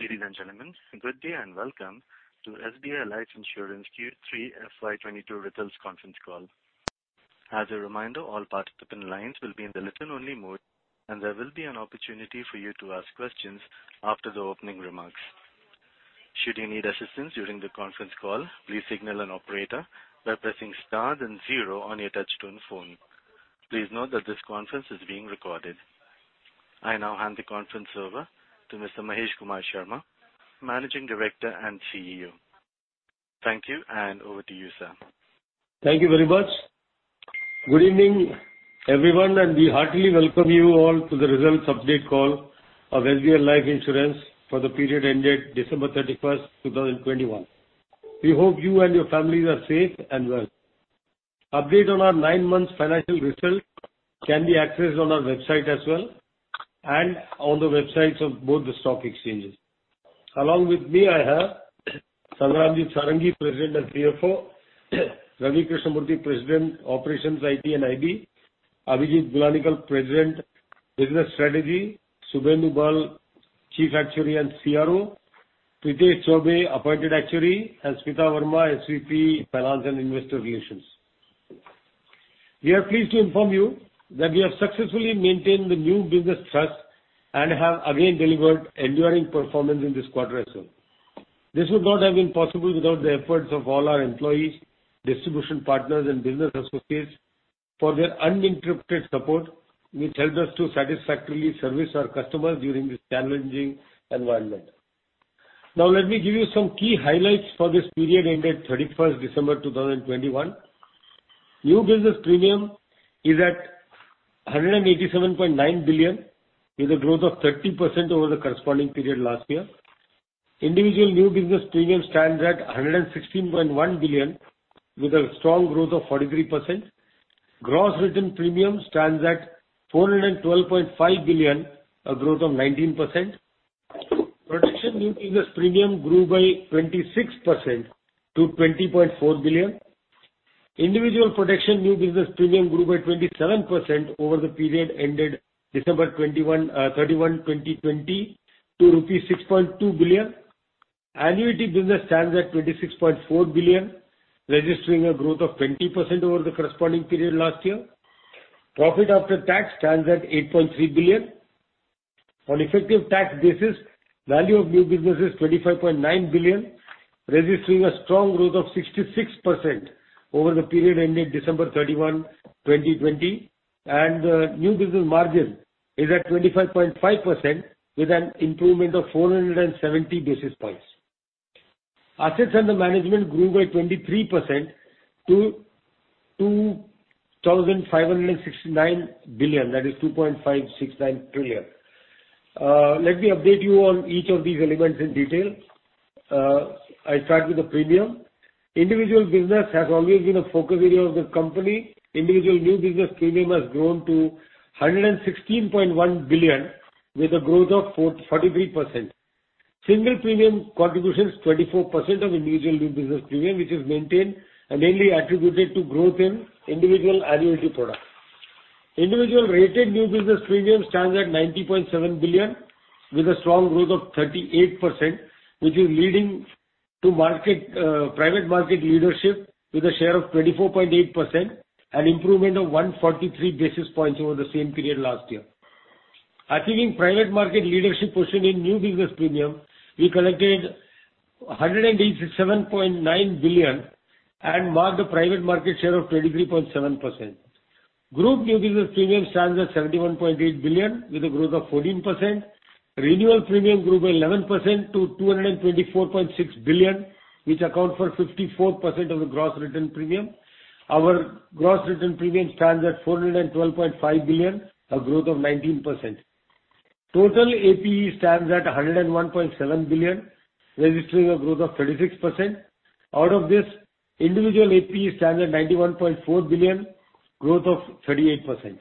Ladies and gentlemen, good day and welcome to SBI Life Insurance Q3 FY 2022 results conference call. As a reminder, all participant lines will be in listen-only mode, and there will be an opportunity for you to ask questions after the opening remarks. Should you need assistance during the conference call, please signal an operator by pressing star then zero on your touchtone phone. Please note that this conference is being recorded. I now hand the conference over to Mr. Mahesh Kumar Sharma, Managing Director and CEO. Thank you, and over to you, sir. Thank you very much. Good evening, everyone, and we heartily welcome you all to the results update call of SBI Life Insurance for the period ended December 31, 2021. We hope you and your families are safe and well. Update on our nine months financial results can be accessed on our website as well and on the websites of both the stock exchanges. Along with me, I have Sangramjit Sarangi, President and CFO, Ravi Krishnamurthy, President, Operations, IT and IB, Abhijit Gulanikar, President, Business Strategy, Subhendu Bal, Chief Actuary and CRO, Pritesh Chaubey, Appointed Actuary, and Smita Verma, SVP, Finance and Investor Relations. We are pleased to inform you that we have successfully maintained the new business trust and have again delivered enduring performance in this quarter as well. This would not have been possible without the efforts of all our employees, distribution partners and business associates for their uninterrupted support, which helped us to satisfactorily service our customers during this challenging environment. Now, let me give you some key highlights for this period ended 31 December 2021. New business premium is at 187.9 billion, with a growth of 30% over the corresponding period last year. Individual new business premium stands at 116.1 billion, with a strong growth of 43%. Gross written premium stands at 412.5 billion, a growth of 19%. Protection new business premium grew by 26% to 20.4 billion. Individual protection new business premium grew by 27% over the period ended December 31, 2020 to 6.2 billion. Annuity business stands at 26.4 billion, registering a growth of 20% over the corresponding period last year. Profit after tax stands at 8.3 billion. On effective tax basis, value of new business is 25.9 billion, registering a strong growth of 66% over the period ending December 31, 2020. New business margin is at 25.5% with an improvement of 470 basis points. Assets under management grew by 23% to 2,569 billion, that is 2.569 trillion. Let me update you on each of these elements in detail. I start with the premium. Individual business has always been a focus area of the company. Individual new business premium has grown to 116.1 billion with a growth of 43%. Single premium contribution is 24% of individual new business premium, which is maintained and mainly attributed to growth in individual annuity products. Individual retail new business premium stands at 90.7 billion with a strong growth of 38%, which is leading to private market leadership with a share of 24.8%, an improvement of 143 basis points over the same period last year. Achieving private market leadership position in new business premium, we collected 187.9 billion and marked a private market share of 23.7%. Group new business premium stands at 71.8 billion with a growth of 14%. Renewal premium grew by 11% to 224.6 billion, which accounts for 54% of the gross written premium. Our gross written premium stands at 412.5 billion, a growth of 19%. Total APE stands at 101.7 billion, registering a growth of 36%. Out of this, individual APE stands at 91.4 billion, growth of 38%.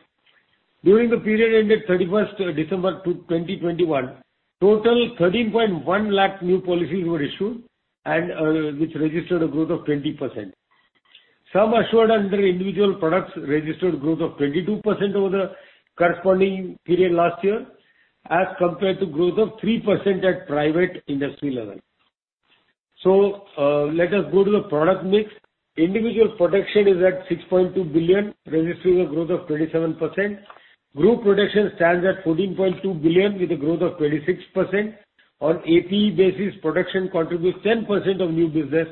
During the period ended 31 December 2021, total 13.1 lakh new policies were issued and which registered a growth of 20%. Sum assured under individual products registered growth of 22% over the corresponding period last year, as compared to growth of 3% at private industry level. Let us go to the product mix. Individual protection is at 6.2 billion, registering a growth of 27%. Group protection stands at 14.2 billion with a growth of 26%. On APE basis, protection contributes 10% of new business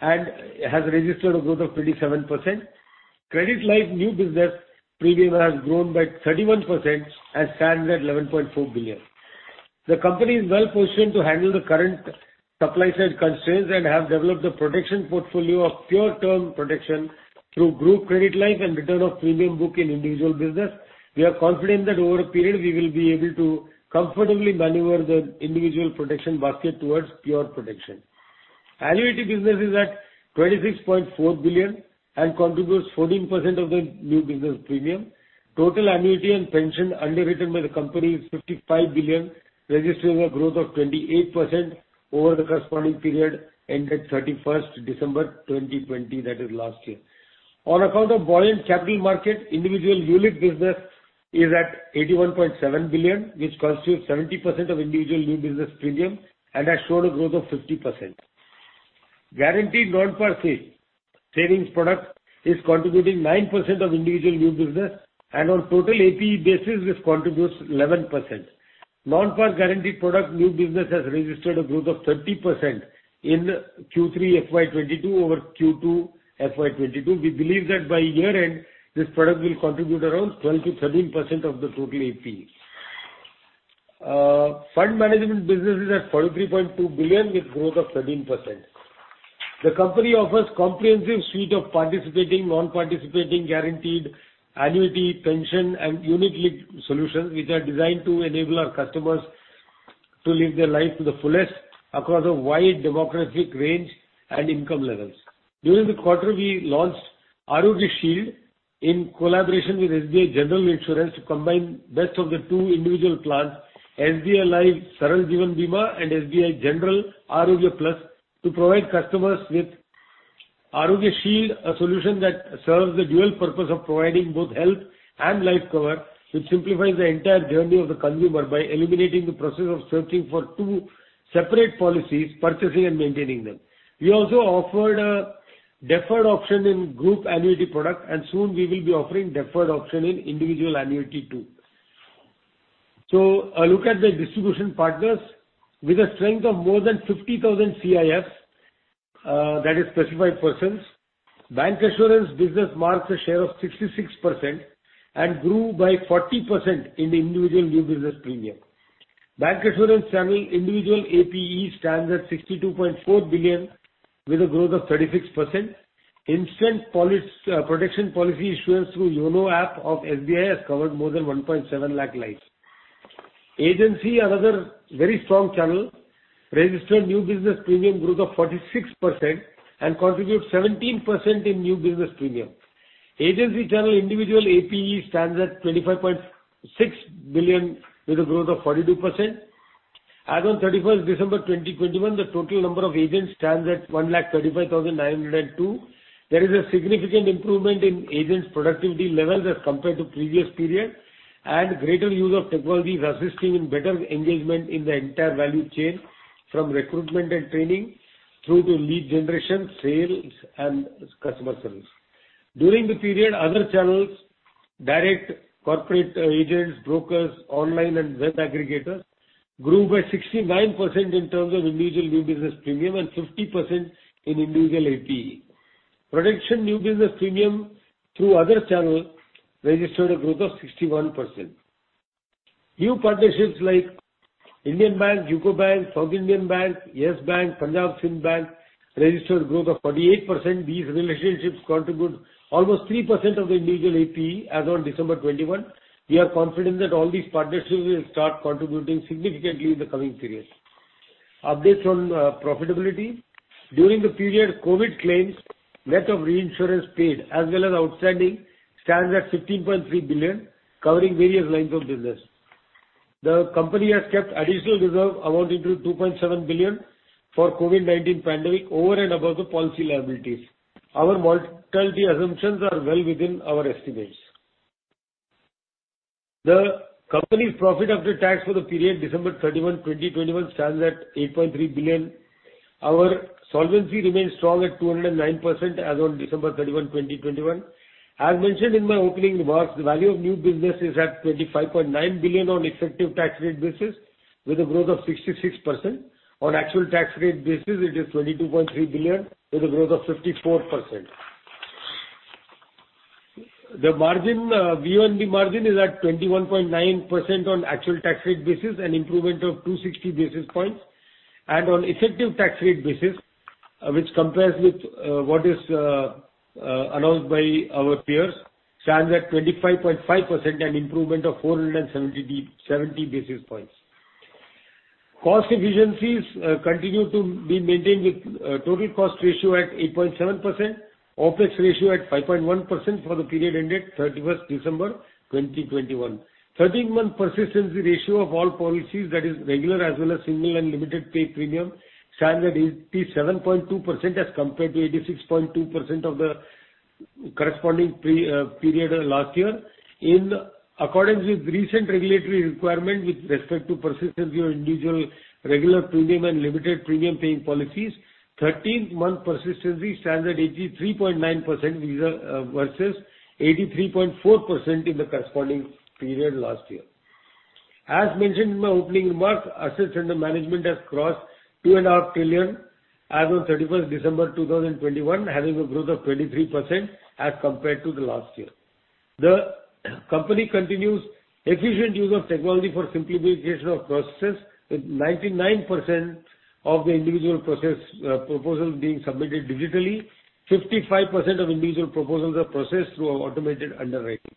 and has registered a growth of 27%. Credit Life new business premium has grown by 31% and stands at 11.4 billion. The company is well positioned to handle the current supply side constraints and have developed a protection portfolio of pure term protection through Group Credit Life and return of premium book in individual business. We are confident that over a period, we will be able to comfortably maneuver the individual protection basket towards pure protection. Annuity business is at 26.4 billion and contributes 14% of the new business premium. Total annuity and pension underwritten by the company is 55 billion, registering a growth of 28% over the corresponding period ended 31 December 2020, that is last year. On account of buoyant capital market, individual unit business is at 81.7 billion, which constitutes 70% of individual new business premium and has showed a growth of 50%. Guaranteed non-par savings product is contributing 9% of individual new business and on total APE basis, this contributes 11%. Non-par guaranteed product new business has registered a growth of 30% in Q3 FY 2022 over Q2 FY 2022. We believe that by year-end this product will contribute around 12%-13% of the total APE. Fund management business is at 43.2 billion with growth of 13%. The company offers comprehensive suite of participating, non-participating, guaranteed annuity, pension, and unit-linked solutions which are designed to enable our customers to live their life to the fullest across a wide demographic range and income levels. During the quarter, we launched Arogya Shield in collaboration with SBI General Insurance to combine best of the two individual plans, SBI Life Saral Jeevan Bima and SBI General Arogya Plus to provide customers with Arogya Shield, a solution that serves the dual purpose of providing both health and life cover, which simplifies the entire journey of the consumer by eliminating the process of searching for two separate policies, purchasing, and maintaining them. We also offered a deferred option in group annuity product, and soon we will be offering deferred option in individual annuity too. A look at the distribution partners. With a strength of more than 50,000 CIFs, that is specified persons, bank insurance business marks a share of 66% and grew by 40% in the individual new business premium. Bank insurance channel individual APE stands at 62.4 billion with a growth of 36%. Instant protection policy issuance through YONO app of SBI has covered more than 1.7 lakh lives. Agency, another very strong channel, registered new business premium growth of 46% and contributes 17% in new business premium. Agency channel individual APE stands at 25.6 billion with a growth of 42%. As on 31st December 2021, the total number of agents stands at 1,35,902. There is a significant improvement in agents' productivity levels as compared to previous period and greater use of technology is assisting in better engagement in the entire value chain from recruitment and training through to lead generation, sales, and customer service. During the period, other channels, direct corporate, agents, brokers, online, and web aggregators grew by 69% in terms of individual new business premium and 50% in individual APE. Protection new business premium through other channel registered a growth of 61%. New partnerships like Indian Bank, UCO Bank, South Indian Bank, Yes Bank, Punjab & Sind Bank registered growth of 48%. These relationships contribute almost 3% of the individual APE as on December 2021. We are confident that all these partnerships will start contributing significantly in the coming periods. Updates on profitability. During the period, COVID claims, net of reinsurance paid as well as outstanding, stands at 15.3 billion, covering various lines of business. The company has kept additional reserve amounting to 2.7 billion for COVID-19 pandemic over and above the policy liabilities. Our mortality assumptions are well within our estimates. The company's profit after tax for the period December 31, 2021 stands at 8.3 billion. Our solvency remains strong at 209% as on December 31, 2021. As mentioned in my opening remarks, the value of new business is at 25.9 billion on effective tax rate basis with a growth of 66%. On actual tax rate basis, it is 22.3 billion with a growth of 54%. The margin, VONB margin is at 21.9% on actual tax rate basis, an improvement of 260 basis points. On effective tax rate basis, which compares with what is announced by our peers, stands at 25.5%, an improvement of 470 basis points. Cost efficiencies continue to be maintained with total cost ratio at 8.7%, OPEX ratio at 5.1% for the period ended 31 December 2021. 13-month persistency ratio of all policies that is regular as well as single and limited pay premium stands at 87.2% as compared to 86.2% of the corresponding period of last year. In accordance with recent regulatory requirement with respect to persistency of individual regular premium and limited premium paying policies, 13-month persistency stands at 83.9% vis-à-vis 83.4% in the corresponding period last year. Assets under management has crossed 2.5 trillion as on 31 December 2021, having a growth of 23% as compared to the last year. The company continues efficient use of technology for simplification of processes, with 99% of the individual proposals being submitted digitally. 55% of individual proposals are processed through our automated underwriting.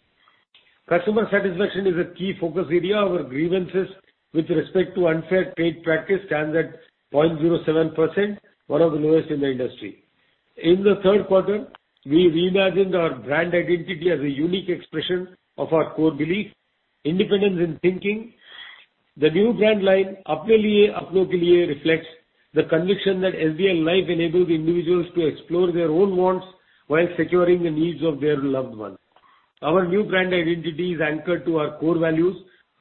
Customer satisfaction is a key focus area. Our grievances with respect to unfair trade practice stands at 0.07%, one of the lowest in the industry. In the Q3, we reimagined our brand identity as a unique expression of our core belief, independence in thinking. The new brand line, Apne Liye, Apno Ke Liye, reflects the conviction that SBI Life enables individuals to explore their own wants while securing the needs of their loved ones. Our new brand identity is anchored to our core values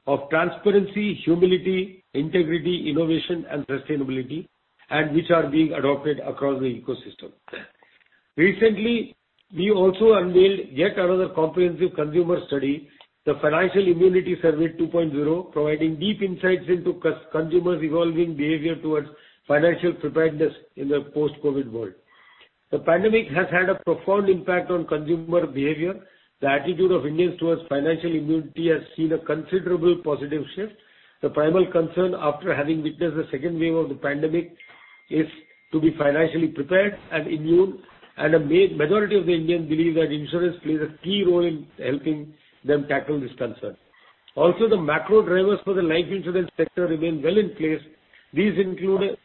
of transparency, humility, integrity, innovation and sustainability, and which are being adopted across the ecosystem. Recently, we also unveiled yet another comprehensive consumer study, the Financial Immunity Survey 2.0, providing deep insights into consumer's evolving behavior towards financial preparedness in the post-COVID world. The pandemic has had a profound impact on consumer behavior. The attitude of Indians towards financial immunity has seen a considerable positive shift. The primal concern after having witnessed the second wave of the pandemic is to be financially prepared and immune, and a majority of the Indians believe that insurance plays a key role in helping them tackle this concern. Also, the macro drivers for the life insurance sector remain well in place. These include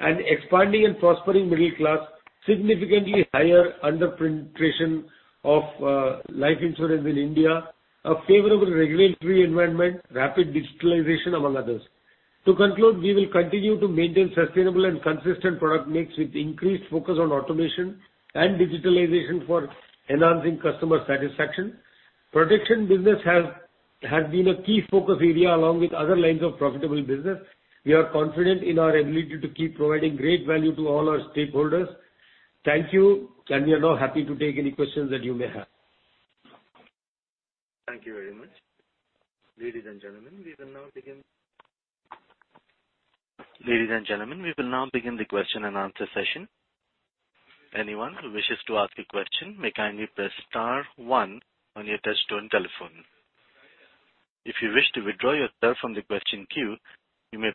an expanding and prospering middle class, significantly higher under-penetration of life insurance in India, a favorable regulatory environment, rapid digitalization, among others. To conclude, we will continue to maintain sustainable and consistent product mix with increased focus on automation and digitalization for enhancing customer satisfaction. Protection business has been a key focus area along with other lines of profitable business. We are confident in our ability to keep providing great value to all our stakeholders. Thank you, and we are now happy to take any questions that you may have. Ladies and gentlemen, we will now begin the question and answer session. We have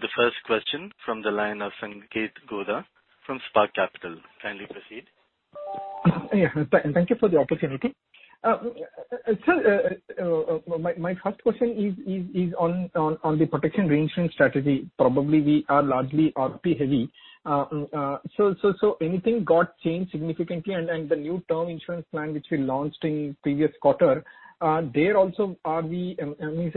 the first question from the line of Sanketh Godha from Spark Capital. Kindly proceed. Yeah. Thank you for the opportunity. Sir, my first question is on the protection reinsurance strategy. Probably we are largely RP heavy. Anything got changed significantly? The new term insurance plan which we launched in previous quarter, there also are we, I mean,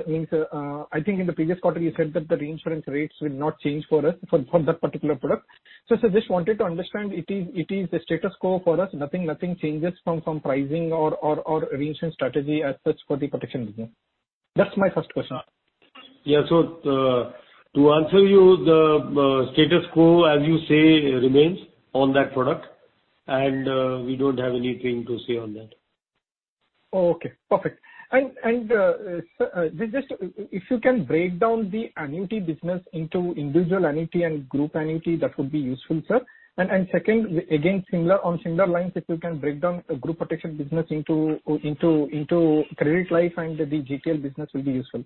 I think in the previous quarter you said that the reinsurance rates will not change for us for that particular product. Just wanted to understand it is the status quo for us, nothing changes from pricing or reinsurance strategy as such for the protection business. That's my first question. Yeah. To answer you, the status quo, as you say, remains on that product and we don't have anything to say on that. Okay. Perfect. Sir, if you can break down the annuity business into individual annuity and group annuity, that would be useful, sir. Second, again, similar, on similar lines, if you can break down group protection business into credit life and the GTI business, that would be useful.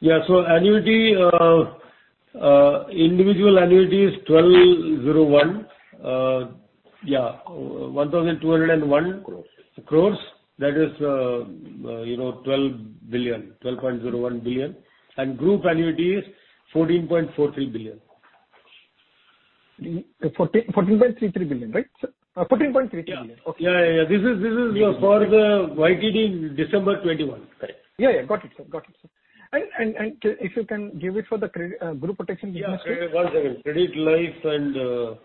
Annuity, individual annuity is 1,201 crores. That is 12.01 billion. Group annuity is 14.43 billion. INR 14.33 billion, right? INR 14.33 billion. Yeah. Okay. Yeah. This is for the YTD December 2021. Yeah. Got it, sir. If you can give it for the credit, group protection business- Group credit life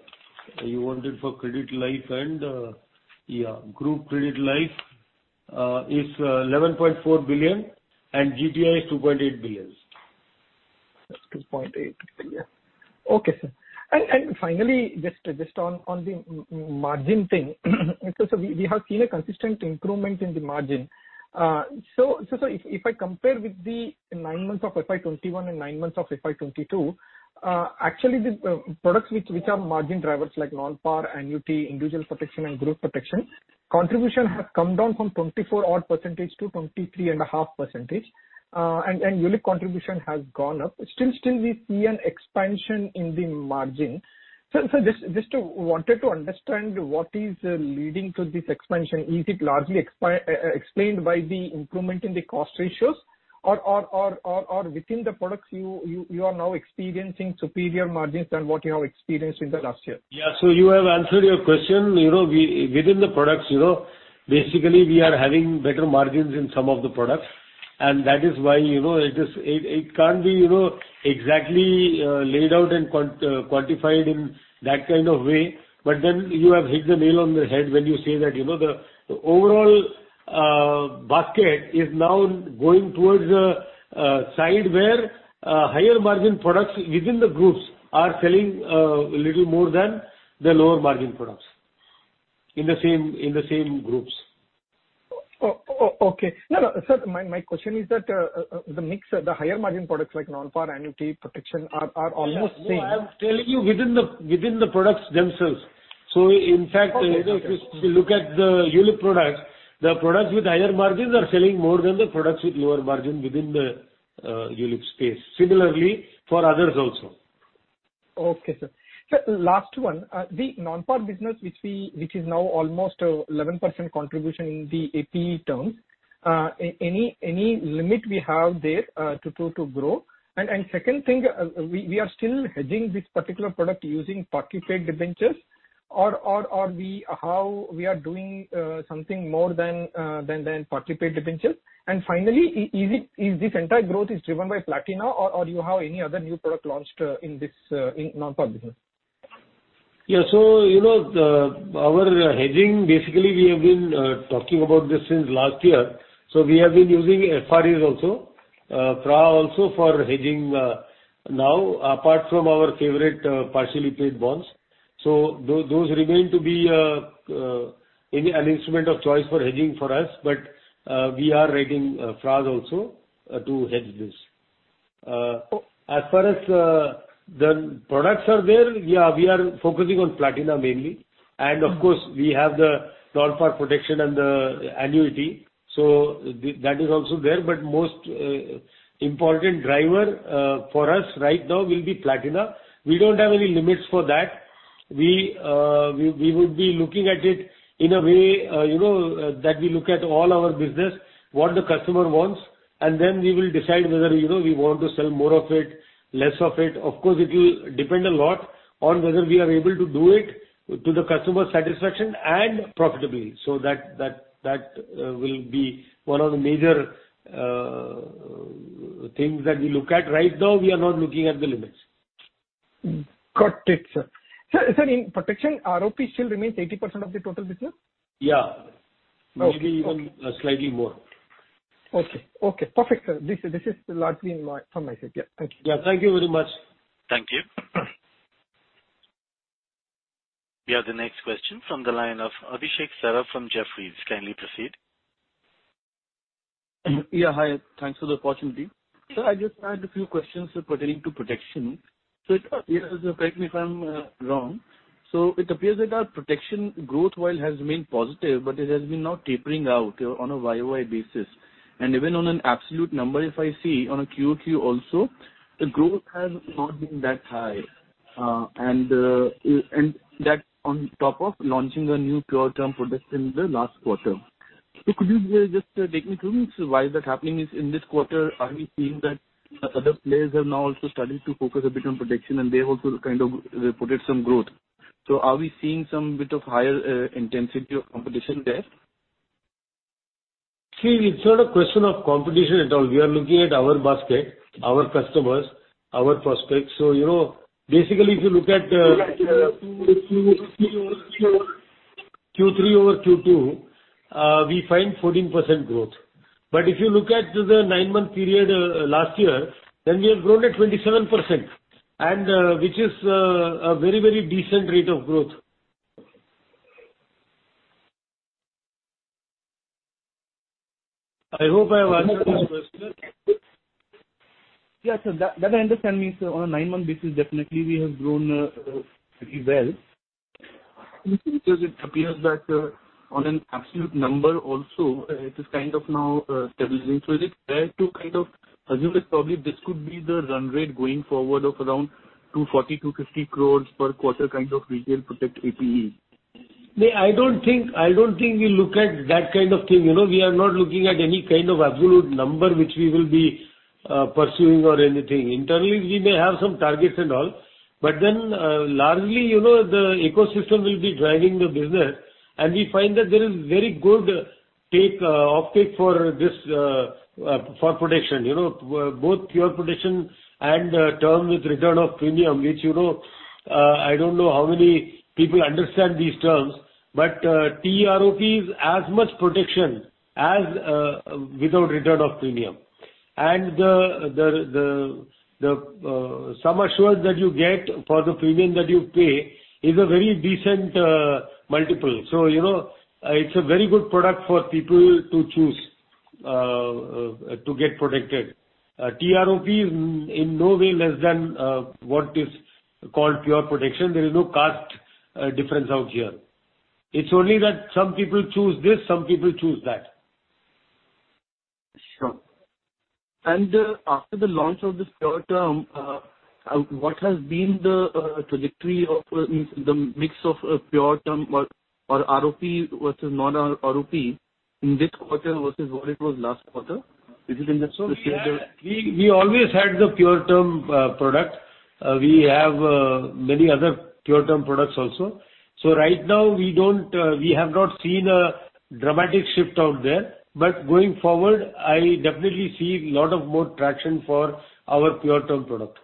is 11.4 billion, and GTI is 2.8 billion. 2.8 billion. Okay, sir. Finally, just on the margin thing. So if I compare with the nine months of FY 2021 and nine months of FY 2022, actually the products which are margin drivers like non-par, annuity, individual protection and group protection, contribution has come down from 24-odd% to 23.5%, and unit-linked contribution has gone up. Still we see an expansion in the margin. So just wanted to understand what is leading to this expansion. Is it largely explained by the improvement in the cost ratios or within the products you are now experiencing superior margins than what you have experienced in the last year. Yeah. You have answered your question. You know, we within the products basically we are having better margins in some of the products, and that is why it can't be exactly laid out and quantified in that kind of way. You have hit the nail on the head when you say that the overall basket is now going towards the side where higher margin products within the groups are selling little more than the lower margin products in the same groups. Okay. No. Sir, my question is that the mix, the higher margin products like non-par, annuity, protection are almost same. No. I am telling you within the products themselves. In fact, if you look at the ULIP products, the products with higher margins are selling more than the products with lower margin within the ULIP space. Similarly, for others also. Okay, sir. Sir, last one. The non-par business which is now almost 11% contribution in the APE terms, any limit we have there to grow? Second thing, we are still hedging this particular product using partially paid debentures or how we are doing something more than partially paid debentures. Finally, is this entire growth driven by Platina or you have any other new product launched in this non-par business? Yeah. You know, our hedging, basically, we have been talking about this since last year, so we have been using FRAs also, IRS also for hedging, now apart from our favorite, partially paid bonds. Those remain to be an instrument of choice for hedging for us, but we are using FRAs also to hedge this. As far as the products are there, yeah, we are focusing on Platina mainly. Of course, we have the non-par protection and the annuity. That is also there. Most important driver for us right now will be Platina. We don't have any limits for that. We would be looking at it in a way that we look at all our business, what the customer wants, and then we will decide whether we want to sell more of it, less of it. Of course, it will depend a lot on whether we are able to do it to the customer satisfaction and profitably. That will be one of the major things that we look at. Right now, we are not looking at the limits. Got it, sir. Sir, in protection, ROP still remains 80% of the total business? Yeah. Okay. Maybe even slightly more. Okay. Perfect, sir. This is largely from my side. Yeah. Thank you. Yeah. Thank you very much. Thank you. We have the next question from the line of Abhishek Saraf from Jefferies. Kindly proceed. Yeah. Hi. Thanks for the opportunity. Sir, I just had a few questions pertaining to protection. It appears, correct me if I'm wrong, that our protection growth, while it has remained positive, but it has now been tapering out on a YoY basis. Even on an absolute number, if I see on a QoQ also, the growth has not been that high, and that on top of launching a new pure term product in the last quarter. Could you just take me through why that is happening in this quarter? Are we seeing that other players have now also started to focus a bit on protection and they also kind of reported some growth? Are we seeing some bit of higher intensity of competition there? See, it's not a question of competition at all. We are looking at our basket, our customers, our prospects. You know, basically, if you look at Q3 over Q2, we find 14% growth. If you look at the 9-month period last year, then we have grown at 27% and which is a very, very decent rate of growth. I hope I have answered your question. Yeah, sir. That I understand. I mean, sir, on a nine-month basis, definitely we have grown pretty well. Because it appears that on an absolute number also, it is kind of now stabilizing. Is it fair to kind of assume that probably this could be the run rate going forward of around 240 crore-250 crore per quarter kind of retail protect APE? No, I don't think we look at that kind of thing. You know, we are not looking at any kind of absolute number which we will be pursuing or anything. Internally, we may have some targets and all, but then largely the ecosystem will be driving the business and we find that there is very good uptake for this protection. You know, both pure protection and term with return of premium, which I don't know how many people understand these terms, but TROP is as much protection as without return of premium. The sum assured that you get for the premium that you pay is a very decent multiple. You know, it's a very good product for people to choose to get protected. TROP is in no way less than what is called pure protection. There is no class difference out here. It's only that some people choose this, some people choose that. Sure. After the launch of this pure term, what has been the trajectory of the mix of pure term or ROP versus non-ROP in this quarter versus what it was last quarter? Is it in the source? Yeah. We always had the pure term product. We have many other pure term products also. Right now we have not seen a dramatic shift out there. Going forward, I definitely see lot of more traction for our pure term product.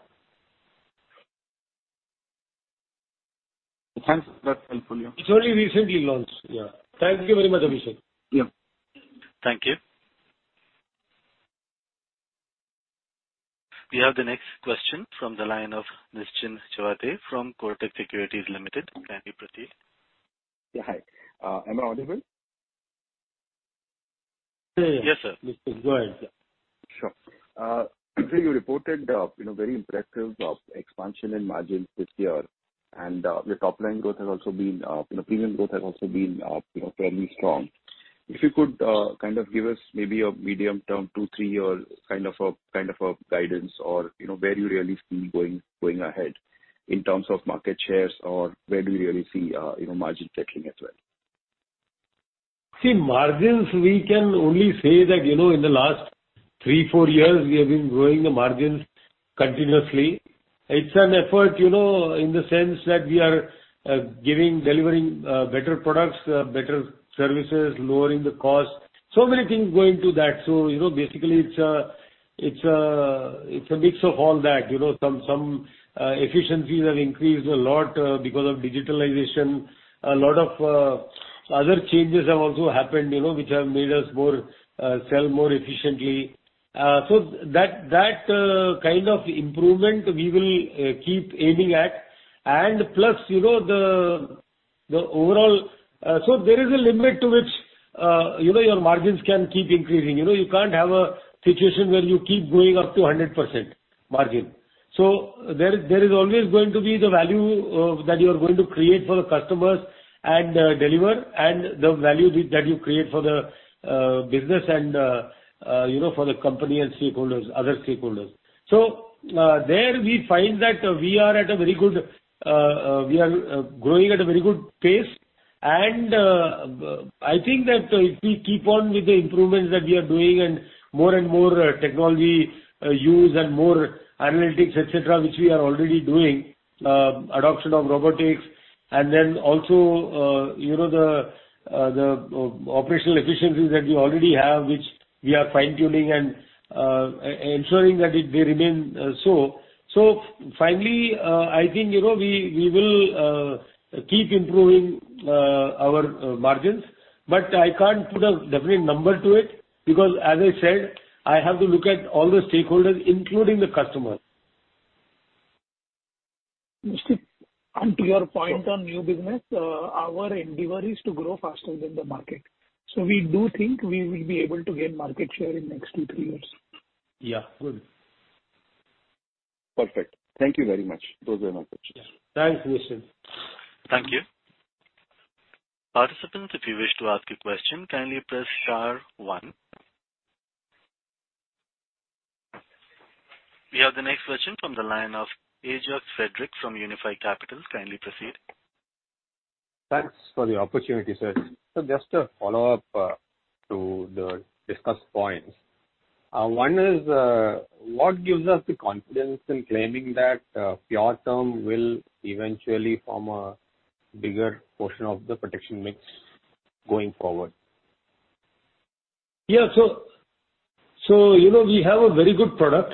Thanks. That's helpful, yeah. It's only recently launched. Yeah. Thank you very much, Abhishek. Yeah. Thank you. We have the next question from the line of Nischint Chawathe from Kotak Securities Limited. Thank you, Prateek. Yeah, hi. Am I audible? Yes, sir. Mr. Go ahead, sir. Sure. You reported very impressive expansion in margins this year. Your top line growth has also been premium growth has also been fairly strong. If you could, kind of give us maybe a medium-term, 2-3-year kind of a guidance or where you really see going ahead in terms of market shares or where do you really see margin settling as well. See, margins, we can only say that in the last 3-4 years we have been growing the margins continuously. It's an effort in the sense that we are giving, delivering better products, better services, lowering the cost. So many things go into that. so basically it's a mix of all that. You know, some efficiencies have increased a lot because of digitalization. A lot of other changes have also happened which have made us sell more efficiently. So that kind of improvement we will keep aiming at. plus the overall, so there is a limit to which your margins can keep increasing. You know, you can't have a situation where you keep going up to 100% margin. There is always going to be the value that you're going to create for the customers and deliver and the value that you create for the business and you know, for the company and stakeholders, other stakeholders. There we find that we are growing at a very good pace. I think that if we keep on with the improvements that we are doing and more and more technology use and more analytics, et cetera, which we are already doing, adoption of robotics, and then also you know, the operational efficiencies that we already have, which we are fine-tuning and ensuring that they remain so. Finally, I think we will keep improving our margins, but I can't put a definite number to it because as I said, I have to look at all the stakeholders, including the customer. To your point on new business, our endeavor is to grow faster than the market. We do think we will be able to gain market share in next 2-3 years. Yeah. Good. Perfect. Thank you very much. Those are my questions. Thanks, Nischint. Thank you. Participants, if you wish to ask a question, kindly press star one. We have the next question from the line of Ajox Frederick from Unifi Capital. Kindly proceed. Thanks for the opportunity, sir. Just a follow-up to the discussed points. One is, what gives us the confidence in claiming that pure term will eventually form a bigger portion of the protection mix going forward? You know, we have a very good product,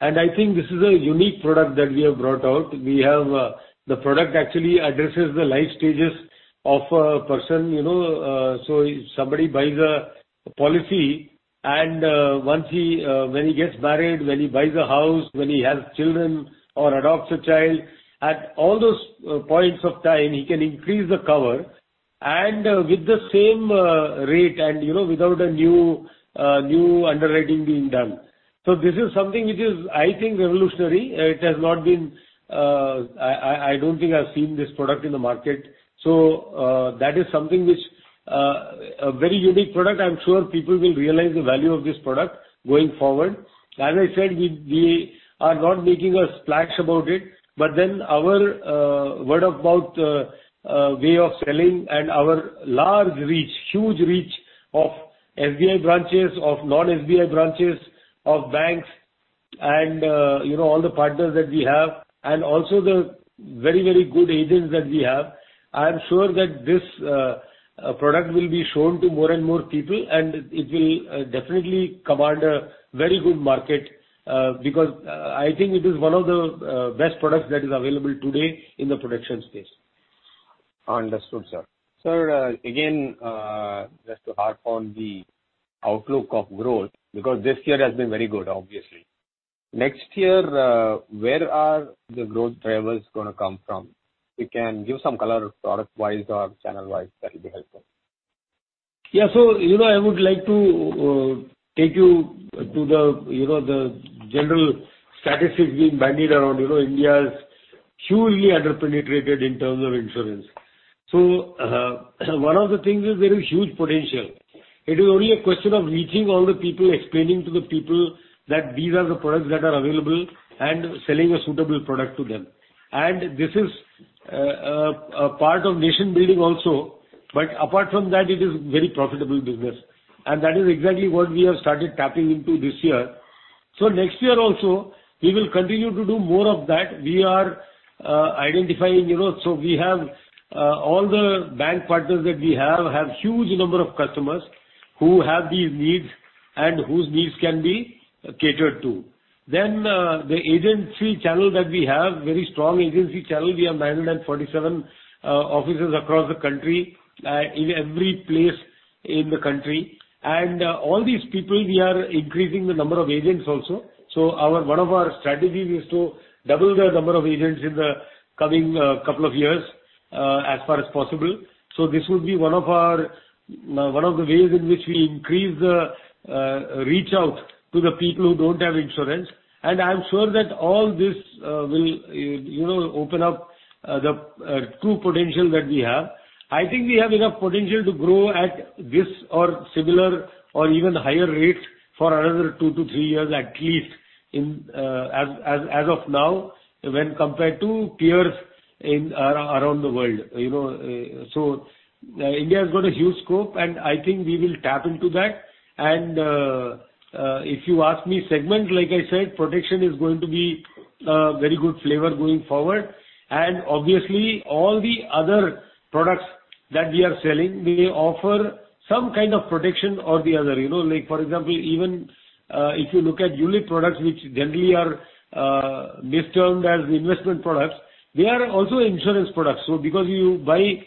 and I think this is a unique product that we have brought out. We have the product actually addresses the life stages of a person. You know, if somebody buys a policy and when he gets married, when he buys a house, when he has children or adopts a child, at all those points of time, he can increase the cover and with the same rate and without a new underwriting being done. This is something which is, I think, revolutionary. It has not been. I don't think I've seen this product in the market. That is something which a very unique product. I'm sure people will realize the value of this product going forward. As I said, we are not making a splash about it, but then our word of mouth way of selling and our large reach, huge reach of SBI branches, of non-SBI branches, of banks and all the partners that we have and also the very good agents that we have. I am sure that this product will be shown to more and more people, and it will definitely command a very good market, because I think it is one of the best products that is available today in the protection space. Understood, sir. Sir, again, just to harp on the outlook of growth, because this year has been very good, obviously. Next year, where are the growth drivers gonna come from? If you can give some color product-wise or channel-wise, that will be helpful. Yeah. You know, I would like to take you to the general statistics being bandied around. You know, India is hugely under-penetrated in terms of insurance. One of the things is there is huge potential. It is only a question of reaching all the people, explaining to the people that these are the products that are available and selling a suitable product to them. This is a part of nation building also. Apart from that, it is very profitable business, and that is exactly what we have started tapping into this year. Next year also we will continue to do more of that. We are identifying so we have all the bank partners that we have huge number of customers who have these needs and whose needs can be catered to. The agency channel that we have, very strong agency channel. We have 947 offices across the country, in every place in the country. All these people, we are increasing the number of agents also. Our one of our strategies is to double the number of agents in the coming couple of years. As far as possible. This would be one of our one of the ways in which we increase the reach out to the people who don't have insurance. I'm sure that all this will you know open up the true potential that we have. I think we have enough potential to grow at this or similar or even higher rate for another 2-3 years at least in as of now when compared to peers in around the world, you know. India has got a huge scope, and I think we will tap into that. If you ask me segment, like I said, protection is going to be a very good flavor going forward. Obviously all the other products that we are selling, we offer some kind of protection or the other. You know, like for example, even if you look at ULIP products, which generally are mis-termed as investment products, they are also insurance products. Because you buy,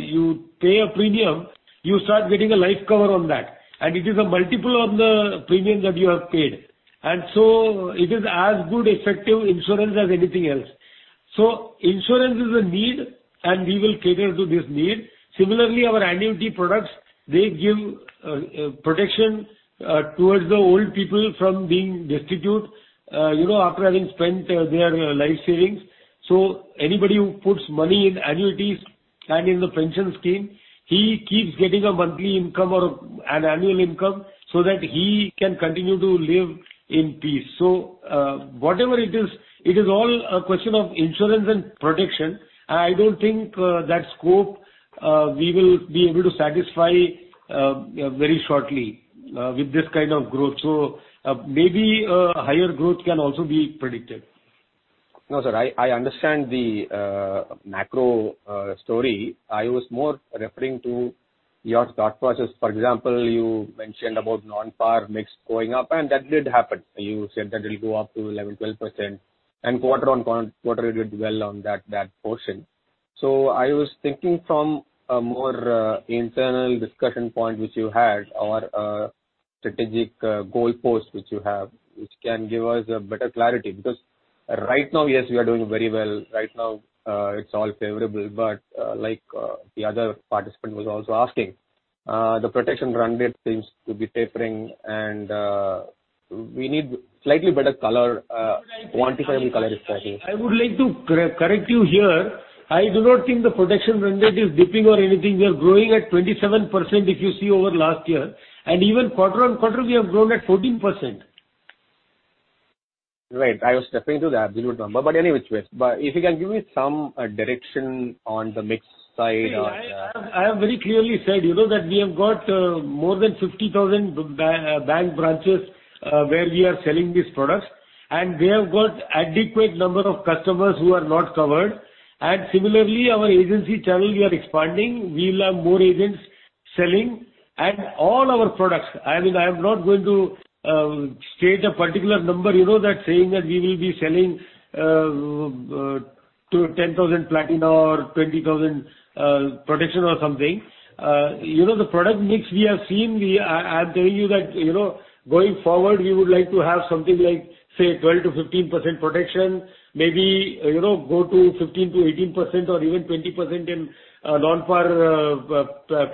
you pay a premium, you start getting a life cover on that, and it is a multiple of the premium that you have paid. It is as good effective insurance as anything else. Insurance is a need, and we will cater to this need. Similarly, our annuity products, they give protection towards the old people from being destitute after having spent their life savings. Anybody who puts money in annuities and in the pension scheme, he keeps getting a monthly income or an annual income so that he can continue to live in peace. Whatever it is, it is all a question of insurance and protection. I don't think that scope we will be able to satisfy very shortly with this kind of growth. Maybe a higher growth can also be predicted. No, sir, I understand the macro story. I was more referring to your thought process. For example, you mentioned about non-PAR mix going up, and that did happen. You said that it'll go up to 11, 12% and quarter-on-quarter you did well on that portion. I was thinking from a more internal discussion point which you had or strategic goalpost which you have, which can give us a better clarity. Because right now, yes, we are doing very well. Right now, it's all favorable. Like, the other participant was also asking, the protection run rate seems to be tapering, and we need slightly better color, quantifiable color is lacking. I would like to correct you here. I do not think the protection run rate is dipping or anything. We are growing at 27% if you see over last year, and even quarter-over-quarter we have grown at 14%. Right. I was stepping into the absolute number. Any which way. If you can give me some direction on the mix side or the- I have very clearly said that we have got more than 50,000 bank branches where we are selling these products, and we have got adequate number of customers who are not covered. Similarly, our agency channel we are expanding. We will have more agents selling all our products. I mean, I am not going to state a particular number that saying that we will be selling to 10,000 Platina or 20,000 protection or something. You know, the product mix we have seen, I'm telling you that going forward, we would like to have something like, say, 12%-15% protection, maybe go to 15%-18% or even 20% in non-par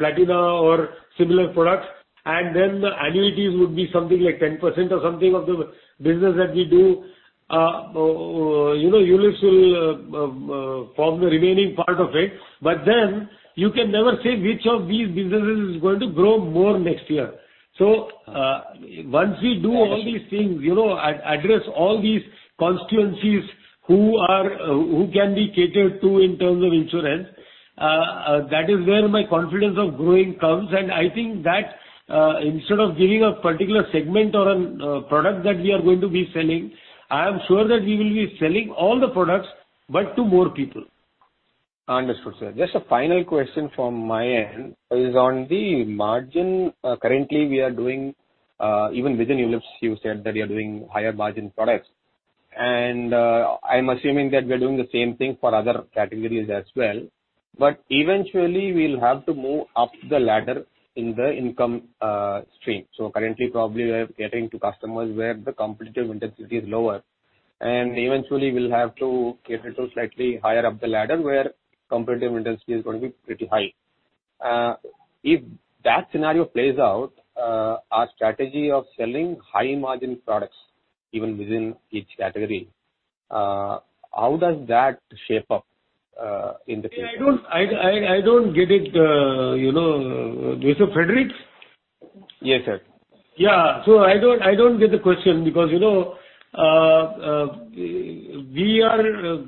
Platinas or similar products. Then the annuities would be something like 10% or something of the business that we do. You know, ULIPs will form the remaining part of it. You can never say which of these businesses is going to grow more next year. Once we do all these things address all these constituencies who can be catered to in terms of insurance, that is where my confidence of growing comes. I think that, instead of giving a particular segment or a product that we are going to be selling, I am sure that we will be selling all the products but to more people. Understood, sir. Just a final question from my end is on the margin. Currently we are doing even within ULIPs, you said that you are doing higher margin products, and I'm assuming that we are doing the same thing for other categories as well. Eventually we'll have to move up the ladder in the income stream. Currently probably we're catering to customers where the competitive intensity is lower, and eventually we'll have to cater to slightly higher up the ladder where competitive intensity is going to be pretty high. If that scenario plays out, our strategy of selling high margin products even within each category, how does that shape up in the future? I don't get it, you know. Ajox Frederick? Yes, sir. I don't get the question because we are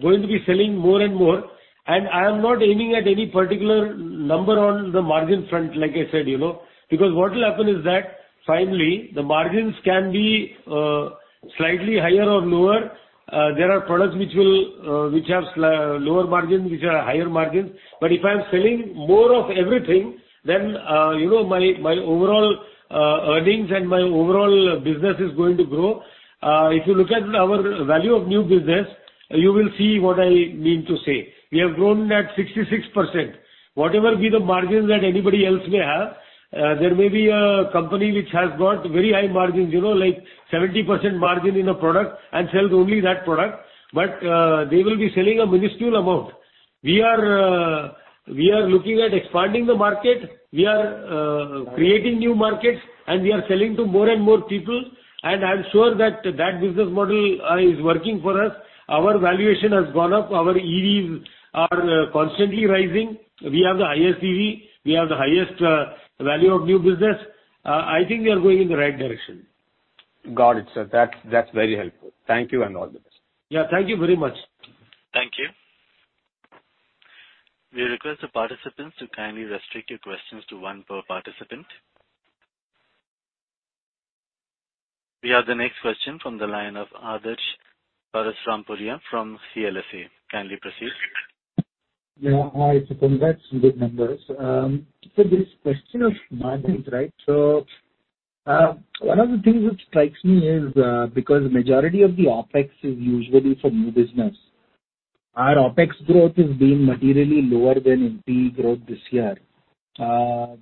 going to be selling more and more, and I am not aiming at any particular number on the margin front, like I said, you know. What will happen is that finally the margins can be slightly higher or lower. There are products which have lower margins, which are higher margins. If I'm selling more of everything, then you know, my overall earnings and my overall business is going to grow. If you look at our value of new business, you will see what I mean to say. We have grown that 66%. Whatever be the margins that anybody else may have, there may be a company which has got very high margins like 70% margin in a product and sells only that product, but they will be selling a minuscule amount. We are looking at expanding the market. We are creating new markets, and we are selling to more and more people. I'm sure that business model is working for us. Our valuation has gone up. Our EVs are constantly rising. We have the highest EV. We have the highest value of new business. I think we are going in the right direction. Got it, sir. That's very helpful. Thank you, and all the best. Yeah, thank you very much. Thank you. We request the participants to kindly restrict your questions to one per participant. We have the next question from the line of Adarsh Parasrampuria from CLSA. Kindly proceed. Yeah. Hi. Congrats on good numbers. This question of margins, right? One of the things which strikes me is, because majority of the OPEX is usually for new business. Our OPEX growth has been materially lower than APE growth this year,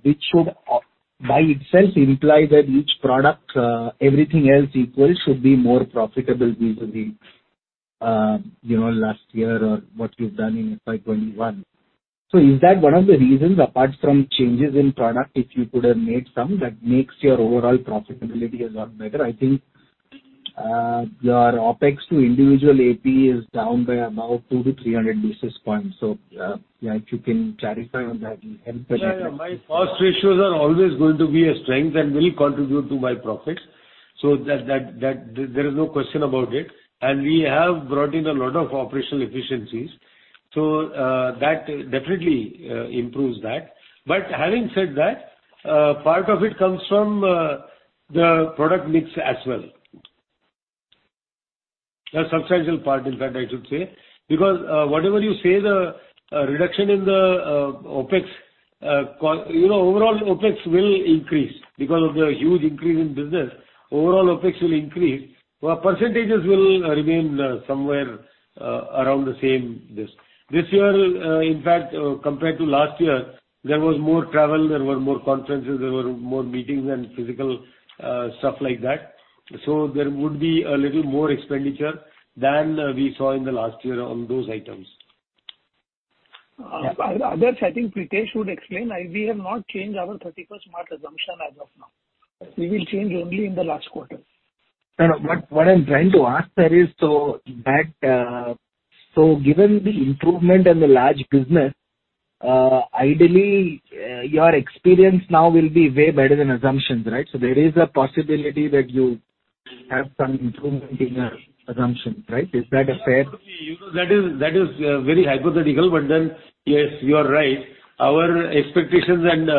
which should by itself imply that each product, everything else equal should be more profitable vis-a-vis last year or what you've done in FY 2021. Is that one of the reasons apart from changes in product, if you could have made some, that makes your overall profitability a lot better? I think, your OPEX to individual APE is down by about 200-300 basis points. Yeah, if you can clarify on that, it will help a little bit. Yeah, yeah. My cost ratios are always going to be a strength and will contribute to my profits. That there is no question about it. We have brought in a lot of operational efficiencies. That definitely improves that. Having said that, part of it comes from the product mix as well. A substantial part in fact, I should say. Because, whatever you say, the reduction in the opex overall OpEx will increase because of the huge increase in business. Overall OpEx will increase, but percentages will remain somewhere around the same. This year, in fact, compared to last year, there was more travel, there were more conferences, there were more meetings and physical stuff like that. There would be a little more expenditure than we saw in the last year on those items. Adarsh, I think Prithesh would explain. We have not changed our 31st month assumption as of now. We will change only in the last quarter. No. What I'm trying to ask, sir, is that, so given the improvement in the life business, ideally, your experience now will be way better than assumptions, right? There is a possibility that you have some improvement in your assumptions, right? Is that a fair- You know, that is very hypothetical. Yes, you are right. Our expectations and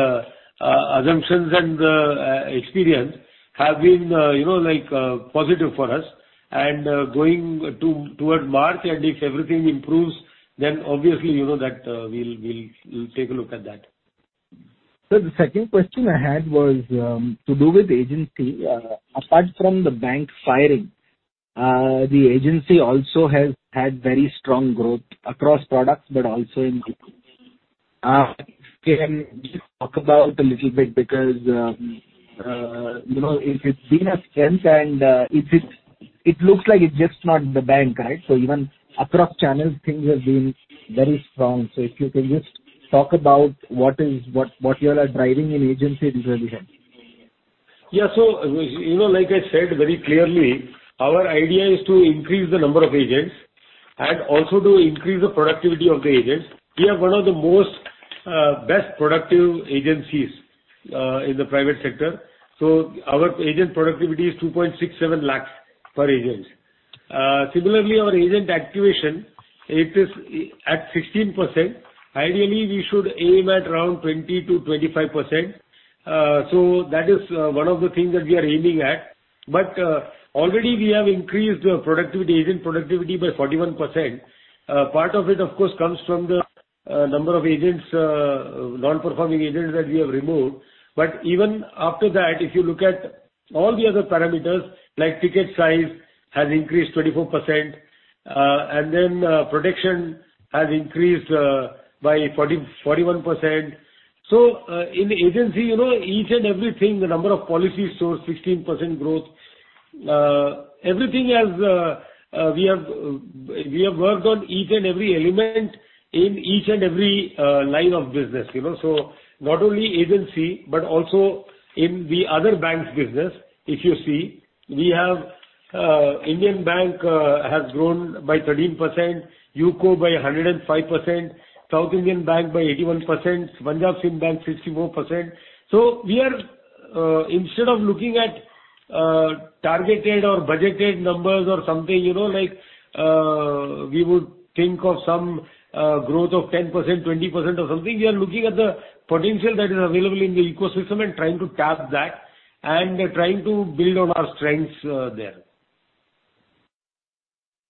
assumptions and experience have been like, positive for us and going toward March, and if everything improves, then obviously you know that we'll take a look at that. Sir, the second question I had was to do with agency. Apart from the bank channel, the agency also has had very strong growth across products but also in group. Can you talk about it a little bit because you know, it's been a strength and it looks like it's just not the bank, right? Even across channels things have been very strong. If you can just talk about what you all are driving in agency visibility? Yeah. You know, like I said very clearly, our idea is to increase the number of agents and also to increase the productivity of the agents. We have one of the most best productive agencies in the private sector. Our agent productivity is 2.67 lakhs per agent. Similarly our agent activation, it is at 16%. Ideally, we should aim at around 20%-25%. That is one of the things that we are aiming at. Already we have increased productivity, agent productivity by 41%. Part of it of course comes from the number of agents, non-performing agents that we have removed. Even after that if you look at all the other parameters, like ticket size has increased 24%, and then, protection has increased by 41%. In agency each and everything, the number of policies shows 16% growth. We have worked on each and every element in each and every line of business, you know. Not only agency but also in the other banks business, if you see, Indian Bank has grown by 13%, UCO Bank by 105%, South Indian Bank by 81%, Punjab & Sind Bank 54%. We are instead of looking at targeted or budgeted numbers or something like, we would think of some growth of 10%, 20% or something. We are looking at the potential that is available in the ecosystem and trying to tap that and trying to build on our strengths, there.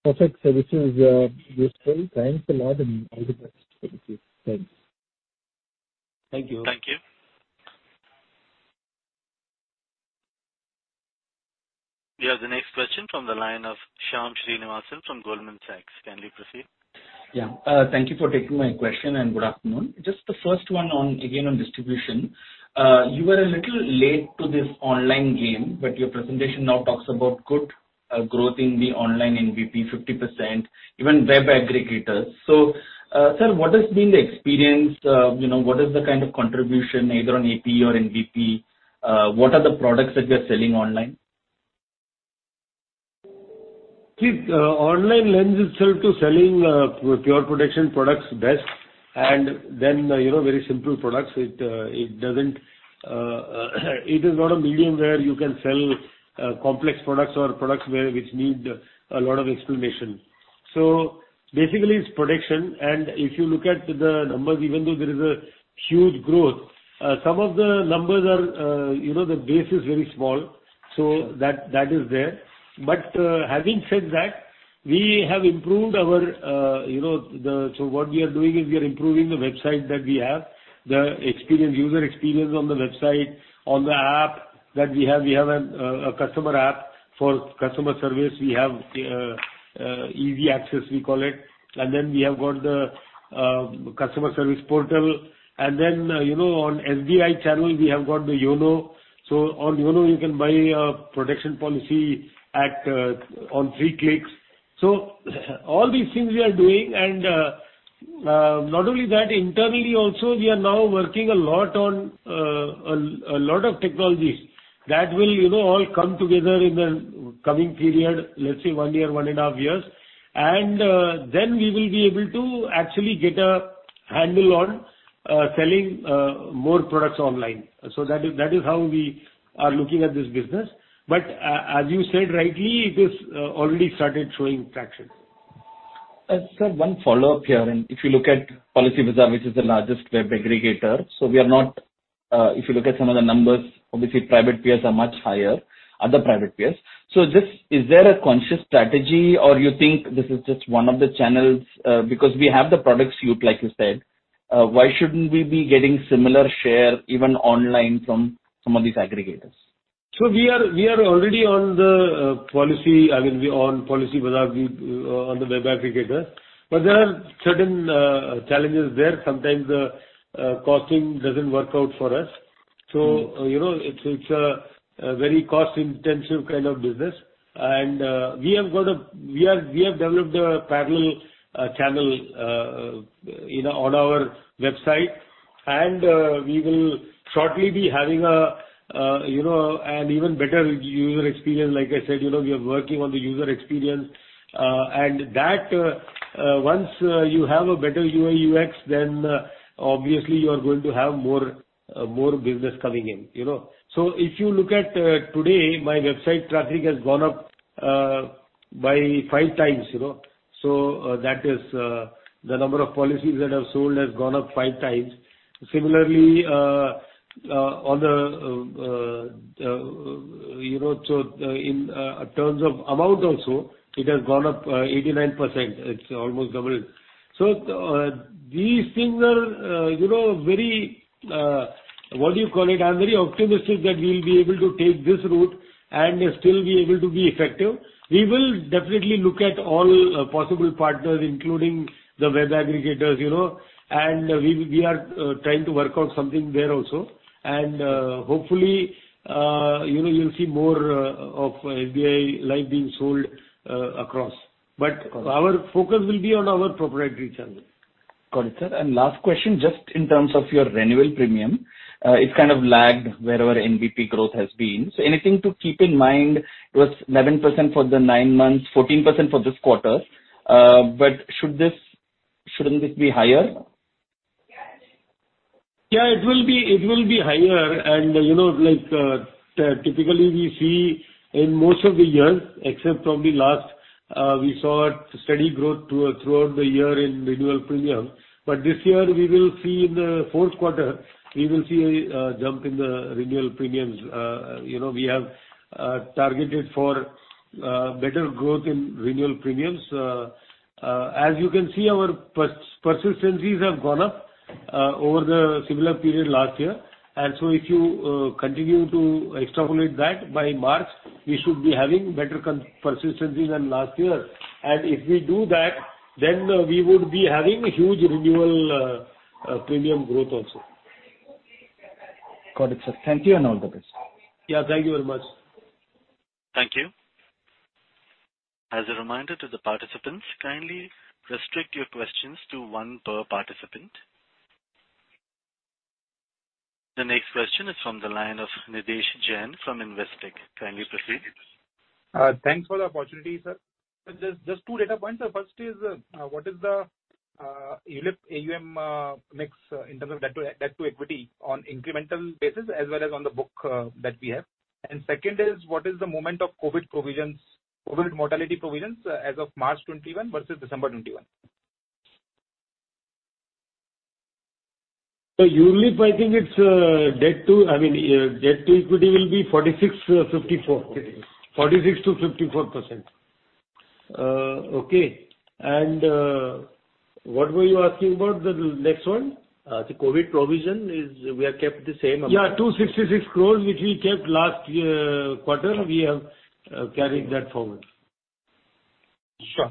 Perfect, sir. This is useful. Thanks a lot and all the best. Thank you. Thanks. Thank you. Thank you. We have the next question from the line of Shyam Srinivasan from Goldman Sachs. Kindly proceed. Yeah. Thank you for taking my question and good afternoon. Just the first one on, again, on distribution. You were a little late to this online game, but your presentation now talks about good growth in the online NBP 50%, even web aggregators. So, sir, what has been the experience what is the kind of contribution either on AP or NBP? What are the products that you're selling online? See, online lends itself to selling pure protection products best and then very simple products. It doesn't, it is not a medium where you can sell complex products or products which need a lot of explanation. Basically it's protection. If you look at the numbers, even though there is a huge growth, some of the numbers are the base is very small, so that is there. Having said that, we have improved our, you know. What we are doing is we are improving the website that we have. The experience, user experience on the website, on the app that we have. We have a customer app for customer service. We have easy access we call it. We have got the customer service portal. then on SBI channel we have got the YONO. On YONO you can buy a protection policy on 3 clicks. All these things we are doing and not only that, internally also we are now working a lot on a lot of technologies that will all come together in the coming period, let's say 1 year, 1.5 years. Then we will be able to actually get a handle on selling more products online. That is how we are looking at this business. But as you said rightly, it is already started showing traction. Sir, one follow-up here. If you look at Policybazaar, which is the largest web aggregator. We are not, if you look at some of the numbers, obviously private peers are much higher, other private peers. Just, is there a conscious strategy or you think this is just one of the channels? Because we have the product suite, like you said, why shouldn't we be getting similar share even online from some of these aggregators? We are already on Policybazaar on the web aggregator. There are certain challenges there. Sometimes costing doesn't work out for us. You know, it's a very cost-intensive kind of business. We have developed a parallel channel on our website. We will shortly be having an even better user experience. Like I said we are working on the user experience. And that once you have a better UI, UX, then obviously you are going to have more business coming in, you know. If you look at today, my website traffic has gone up by 5 times, you know. That is the number of policies that have sold has gone up five times. similarly so in terms of amount also, it has gone up 89%. It's almost doubled. These things are very, what do you call it? I'm very optimistic that we'll be able to take this route and still be able to be effective. We will definitely look at all possible partners, including the web aggregators and we are trying to work out something there also. hopefully you'll see more of SBI Life being sold across. But our focus will be on our proprietary channels. Got it, sir. Last question, just in terms of your renewal premium, it's kind of lagged wherever NBP growth has been. Anything to keep in mind? It was 11% for the nine months, 14% for this quarter. Shouldn't this be higher? Yeah, it will be higher. You know, like, typically we see in most of the years, except probably last, we saw steady growth throughout the year in renewal premium. This year we will see in the Q4 a jump in the renewal premiums. You know, we have targeted for better growth in renewal premiums. As you can see, our persistencies have gone up over the similar period last year. If you continue to extrapolate that, by March, we should be having better persistencies than last year. If we do that, then we would be having huge renewal premium growth also. Got it, sir. Thank you and all the best. Yeah, thank you very much. Thank you. As a reminder to the participants, kindly restrict your questions to one per participant. The next question is from the line of Nidhesh Jain from Investec. Kindly proceed. Thanks for the opportunity, sir. Just two data points. The first is, what is the ULIP AUM mix in terms of debt to equity on incremental basis as well as on the book that we have? Second is, what is the movement of COVID provisions, COVID mortality provisions as of March 2021 versus December 2021? ULIP, I think it's debt to equity will be 46%-54%. What were you asking about the next one? The COVID provision is we have kept the same amount. Yeah, 266 crores, which we kept last year quarter. We have carried that forward. Sure.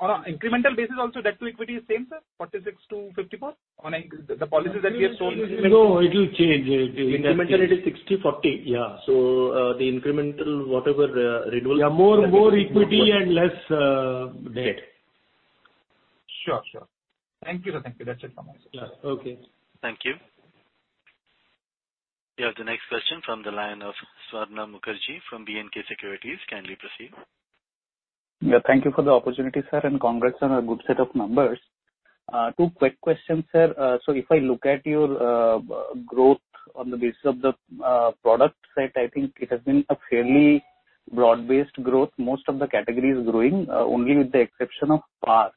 On an incremental basis also debt to equity is same, sir, 46-54 on in the policies that we have sold. No, it will change. Okay. Incrementally, it is 60-40. Yeah. So, the incremental whatever, renewal. Yeah, more equity and less debt. Sure. Thank you, sir. Thank you. That's it from my side. Yeah. Okay. Thank you. We have the next question from the line of Supratim Datta from Jefferies India Pvt. Ltd. Kindly proceed. Yeah, thank you for the opportunity, sir, and congrats on a good set of numbers. Two quick questions, sir. So if I look at your growth on the basis of the product side, I think it has been a fairly broad-based growth. Most of the category is growing, only with the exception of PAR.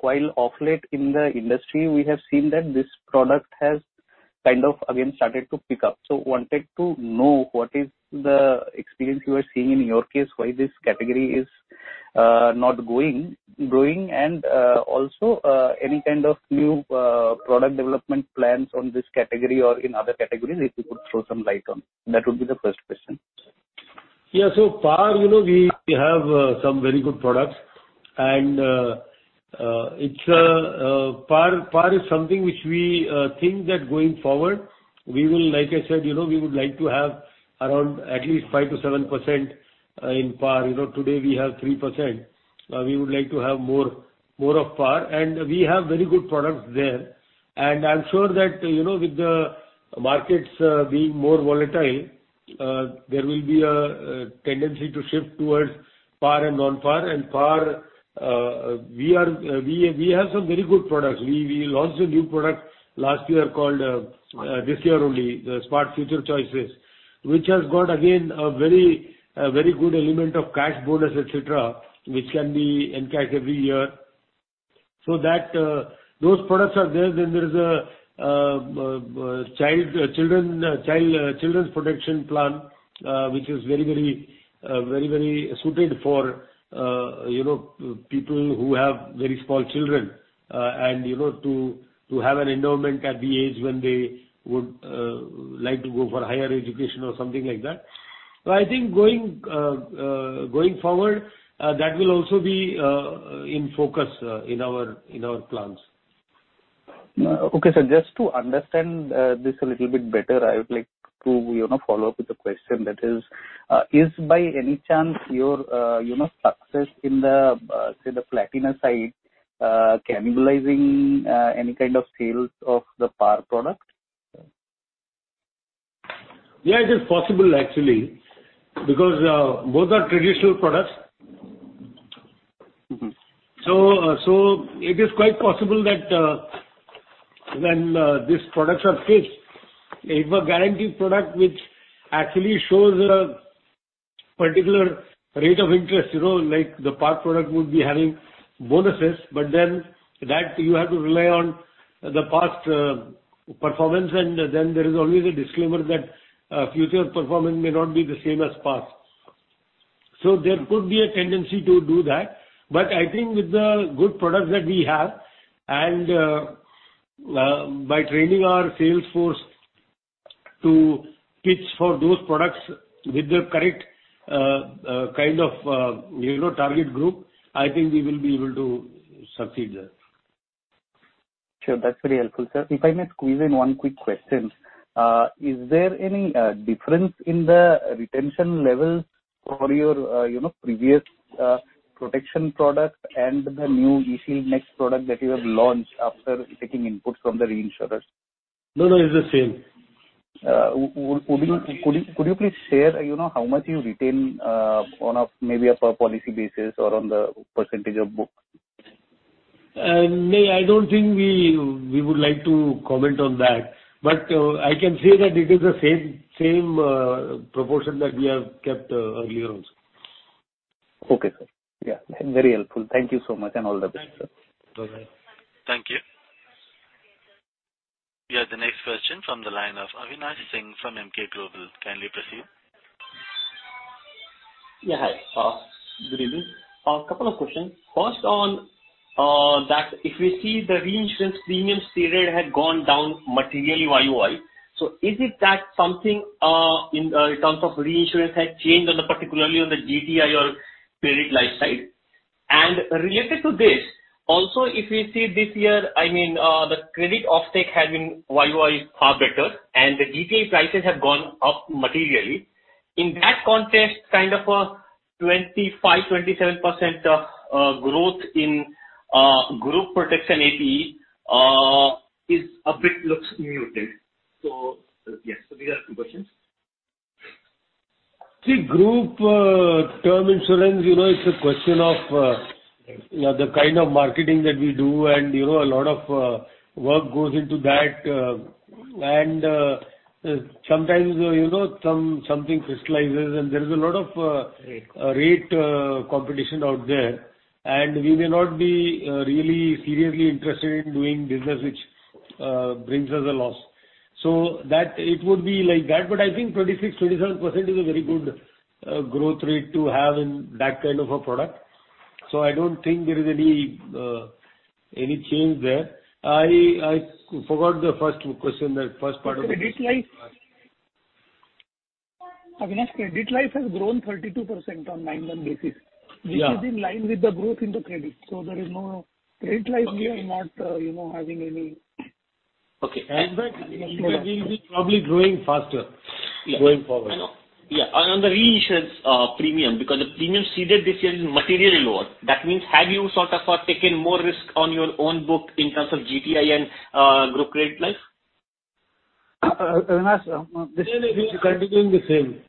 While of late in the industry, we have seen that this product has kind of again started to pick up. So wanted to know what is the experience you are seeing in your case, why this category is not growing, and also any kind of new product development plans on this category or in other categories, if you could throw some light on. That would be the first question. par we have some very good products and it's PAR is something which we think that going forward we will, like I said we would like to have around at least 5%-7% in PAR. You know, today we have 3%. We would like to have more of PAR, and we have very good products there. I'm sure that with the markets being more volatile, there will be a tendency to shift towards PAR and non-PAR. PAR, we have some very good products. We launched a new product this year only, the Smart Future Choices, which has got again a very good element of cash bonus, et cetera, which can be encashed every year. Those products are there. There is a children's protection plan, which is very suited for you know people who have very small children, and you know to have an endowment at the age when they would like to go for higher education or something like that. I think going forward that will also be in focus in our plans. Okay. Just to understand, this a little bit better, I would like to follow up with a question. That is by any chance your success in the, say, the Platina side, cannibalizing, any kind of sales of the PAR product? Yeah, it is possible actually because both are traditional products. Mm-hmm. It is quite possible that when these products are pitched if a guaranteed product which actually shows a particular rate of interest like the PAR product would be having bonuses, but then that you have to rely on the past performance and then there is always a disclaimer that future performance may not be the same as past. There could be a tendency to do that. I think with the good products that we have and by training our sales force to pitch for those products with the correct kind of target group, I think we will be able to succeed there. Sure. That's very helpful, sir. If I may squeeze in one quick question. Is there any difference in the retention levels for your previous protection product and the new eShield Next product that you have launched after taking input from the reinsurers? No, no. It's the same. Could you please share how much you retain on a maybe a per policy basis or on the percentage of books? No, I don't think we would like to comment on that, but I can say that it is the same proportion that we have kept earlier also. Okay, sir. Yeah, very helpful. Thank you so much and all the best, sir. Thank you. Bye-bye. Thank you. We have the next question from the line of Avinash Singh from Emkay Global. Kindly proceed. Yeah, hi. Good evening. A couple of questions. First on that if we see the reinsurance premium ceded had gone down materially YOY, so is it that something in terms of reinsurance has changed on the particularly on the GTI or pure life side? And related to this, also if we see this year, I mean, the credit offtake has been YOY far better and the GTI prices have gone up materially. In that context, kind of a 25%-27% growth in group protection APE is a bit, looks muted. Yes, these are two questions. See, group term insurance it's a question of the kind of marketing that we do and a lot of work goes into that. sometimes something crystallizes and there is a lot of Rate. -rate, competition out there and we may not be, really seriously interested in doing business which, brings us a loss. That it would be like that, but I think 26%-27% is a very good, growth rate to have in that kind of a product. I don't think there is any change there. I forgot the first question, the first part of the question. Credit Life. Avinash, Credit Life has grown 32% on 9-month basis. Yeah. This is in line with the growth in the credit. There is no Credit Life here and not having any Okay. That it will be probably growing faster going forward. I know. Yeah. On the reinsurance premium, because the premium ceded this year is materially lower. That means have you sort of taken more risk on your own book in terms of GTI and group Credit Life? Avinash, No. We are continuing the same.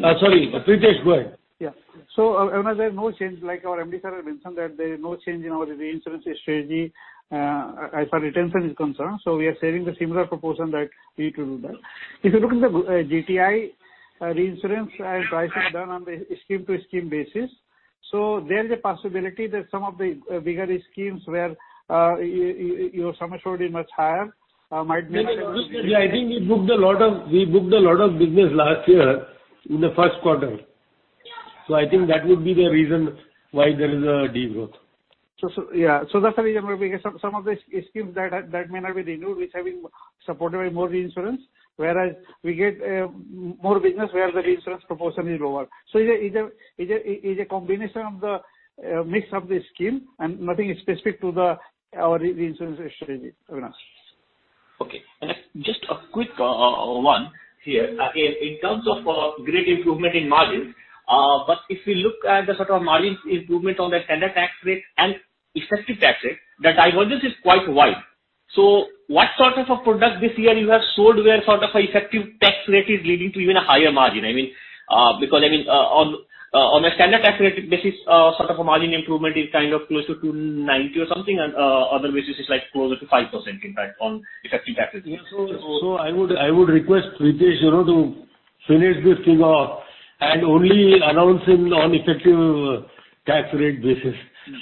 Sorry. Prithesh, go ahead. Avinash, there is no change. Like our MD sir had mentioned that there is no change in our reinsurance strategy, as far as retention is concerned, we are retaining the similar proportion that we need to do that. If you look at the GTI reinsurance and pricing done on the scheme-to-scheme basis, there's a possibility that some of the bigger schemes where your sum assured is much higher might make some Yeah, I think we booked a lot of business last year in the Q1. I think that would be the reason why there is a de-growth. That's the reason where we get some of the schemes that may not be renewed is having supported by more reinsurance. Whereas we get more business where the reinsurance proportion is lower. It's a combination of the mix of the scheme and nothing specific to our reinsurance strategy, Avinash. Okay. Just a quick one here. Again, in terms of great improvement in margins. If we look at the sort of margin improvement on the standard tax rate and effective tax rate, the divergence is quite wide. What sorts of a product this year you have sold where sort of effective tax rate is leading to even a higher margin? I mean, because I mean, on a standard tax rate basis, sort of a margin improvement is kind of close to 2.90 or something, and other basis is like closer to 5% impact on effective tax rate. I would request prithesh to finish this thing off and only announce him on effective tax rate basis.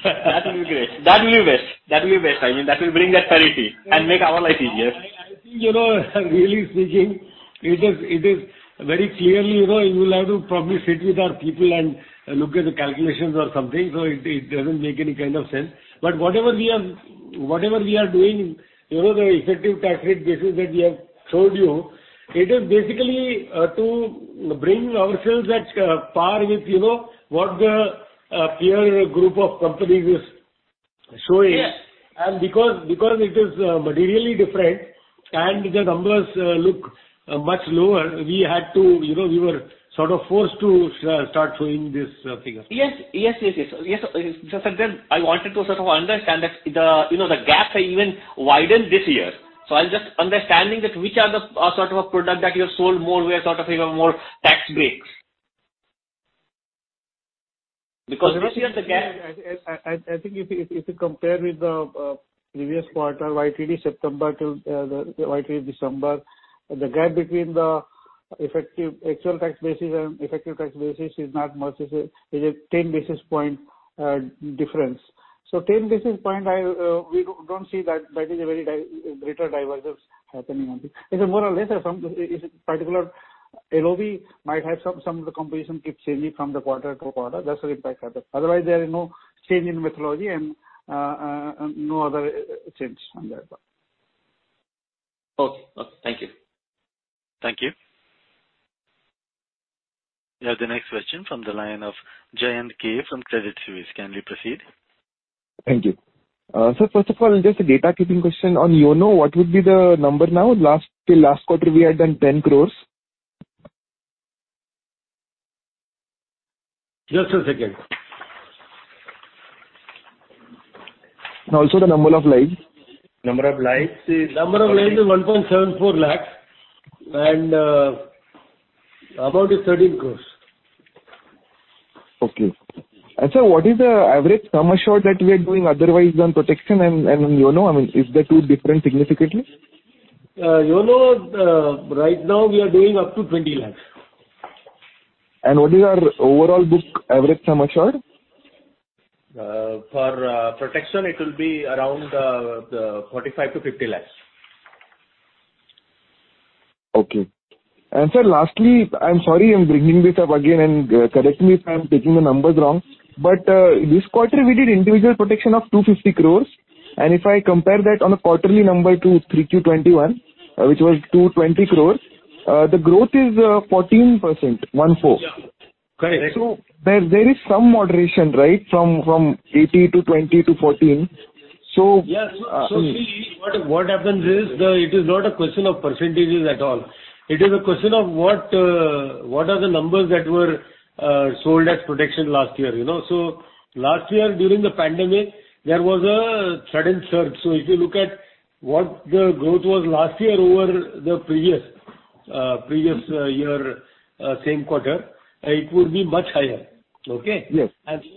That would be great. That will be best. I mean, that will bring that clarity and make our life easier. I think really speaking, it is very clearly you will have to probably sit with our people and look at the calculations or something. It doesn't make any kind of sense. Whatever we are doing the effective tax rate basis that we have told you, it is basically to bring ourselves at par with what the peer group of companies is showing. Yes. Because it is materially different and the numbers look much lower, we had to we were sort of forced to start showing this figure. Yes. Sir, I wanted to sort of understand that the the gaps are even widened this year. I'm just understanding that which are the sort of a product that you have sold more, where sort of more tax breaks. Because this year the gap I think if you compare with the previous quarter, YTD September till the YTD December, the gap between the effective actual tax basis and effective tax basis is not much. It's a 10 basis point difference. We don't see that is a very greater divergence happening on this. It's more or less, some particular LOB might have some of the composition keep changing from the quarter to quarter. That's the impact of that. Otherwise, there is no change in methodology and no other change on that part. Okay. Thank you. Thank you. We have the next question from the line of Jayant Kharote from Credit Suisse. Can we proceed? Thank you. Sir, first of all, just a data keeping question. On YONO, what would be the number now? Last till last quarter we had done 10 crores. Just a second. Also the number of lives. Number of lives is. Number of lives is 1.74 lakhs and about is INR 13 crores. Okay. Sir, what is the average sum assured that we are doing otherwise on protection and on YONO? I mean, are the two different significantly? YONO, right now we are doing up to 20 lakhs. What is our overall book average sum assured? For protection it will be around 45 lakh-50 lakh. Okay. Sir, lastly, I'm sorry I'm bringing this up again, and correct me if I'm taking the numbers wrong, but this quarter we did individual protection of 250 crores, and if I compare that on a quarterly number to Q3 2021, which was 220 crores, the growth is 14%, 14. Yeah. Correct. There is some moderation, right? From 18 to 20 to 14. Yes. See, what happens is it is not a question of percentages at all. It is a question of what are the numbers that were sold as protection last year, you know. Last year during the pandemic, there was a sudden surge. If you look at what the growth was last year over the previous year, same quarter, it would be much higher. Okay? Yes.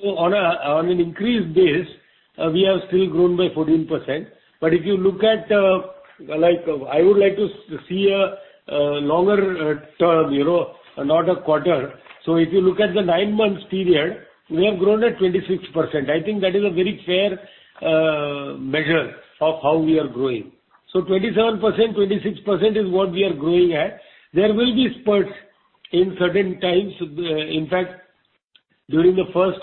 On an increased base, we have still grown by 14%. If you look at, like, I would like to see a longer term not a quarter. If you look at the nine months period, we have grown at 26%. I think that is a very fair measure of how we are growing. 27%, 26% is what we are growing at. There will be spurts in certain times. In fact, during the Q1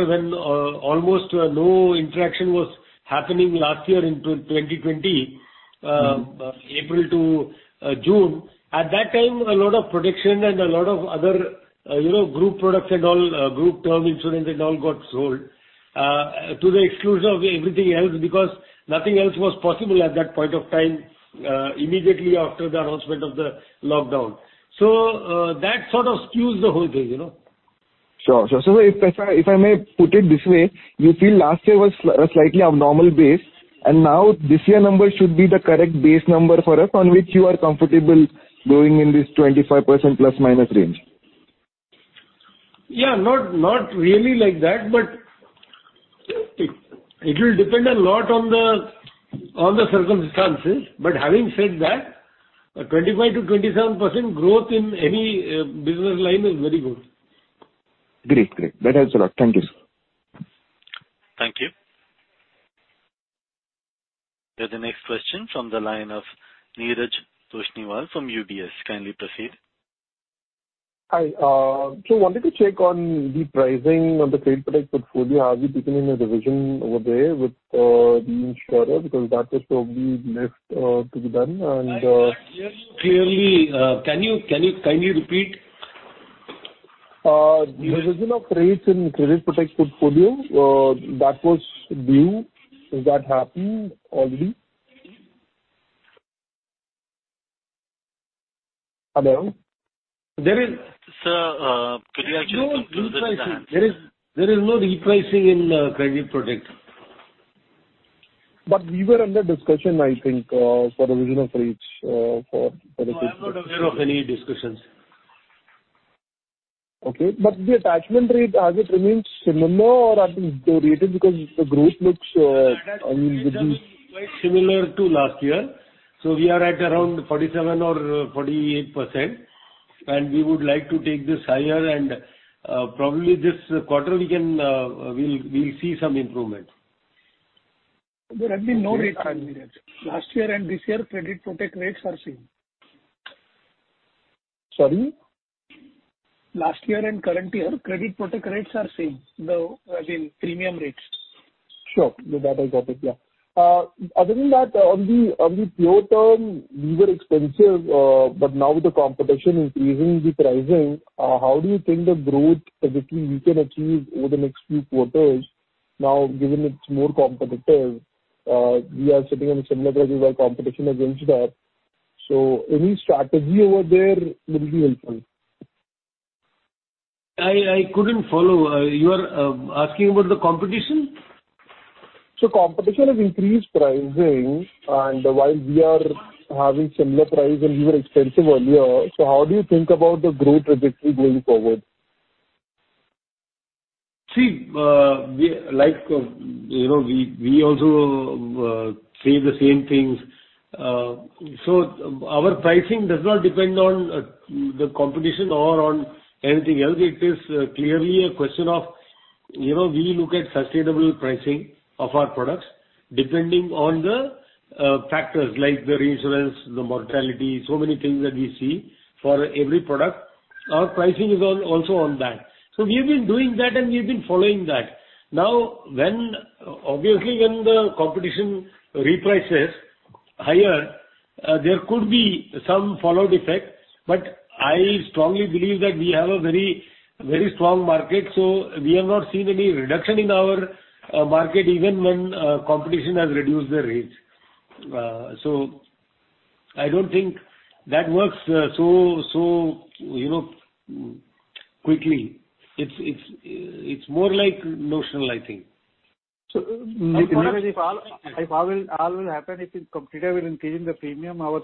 when almost no interaction was happening last year in 2020, April to June, at that time a lot of protection and a lot of other group products and all, group term insurance and all got sold to the exclusion of everything else because nothing else was possible at that point of time immediately after the announcement of the lockdown. That sort of skews the whole thing, you know. Sure. If I may put it this way, you feel last year was a slightly abnormal base and now this year numbers should be the correct base number for us on which you are comfortable growing in this 25% plus minus range. Yeah. Not really like that, but it'll depend a lot on the circumstances. Having said that, 25%-27% growth in any business line is very good. Great. That helps a lot. Thank you, sir. Thank you. We have the next question from the line of Neeraj Toshniwal from UBS. Kindly proceed. Hi. Wanted to check on the pricing on the credit product portfolio. Have you taken any revision over there with the insurer because that is probably left to be done and, I cannot hear you clearly. Can you kindly repeat? The revision of credits in credit product portfolio, that was due. Has that happened already? Hello? There is- Sir, could we actually come to the next. There is no repricing. There is no repricing in credit product. We were under discussion I think, for revision of rates. No, I'm not aware of any discussions. Okay. The attachment rate, has it remained similar or has it degraded because the growth looks, I mean- Similar to last year. We are at around 47 or 48% and we would like to take this higher and, probably this quarter we can, we'll see some improvement. There has been no rate change. Last year and this year credit protect rates are same. Sorry? Last year and current year credit protect rates are same. I mean, premium rates. Sure. With that I got it. Yeah. Other than that, on the pure term we were expensive, but now the competition is raising the pricing. How do you think the growth trajectory we can achieve over the next few quarters now given it's more competitive? We are sitting on similar prices while competition has inched up. Any strategy over there will be helpful. I couldn't follow. You are asking about the competition? Competition has increased pricing and while we are having similar price and we were expensive earlier, so how do you think about the growth trajectory going forward? See, we like we also say the same things. Our pricing does not depend on the competition or on anything else. It is clearly a question of we look at sustainable pricing of our products depending on the factors like the reinsurance, the mortality, so many things that we see for every product. Our pricing is also on that. We have been doing that and we've been following that. Obviously, when the competition reprices higher, there could be some follow effect, but I strongly believe that we have a very, very strong market, so we have not seen any reduction in our market even when competition has reduced the rates. I don't think that works, so quickly. It's more like notional I think. If all will happen, if the competitor will increase in the premium, our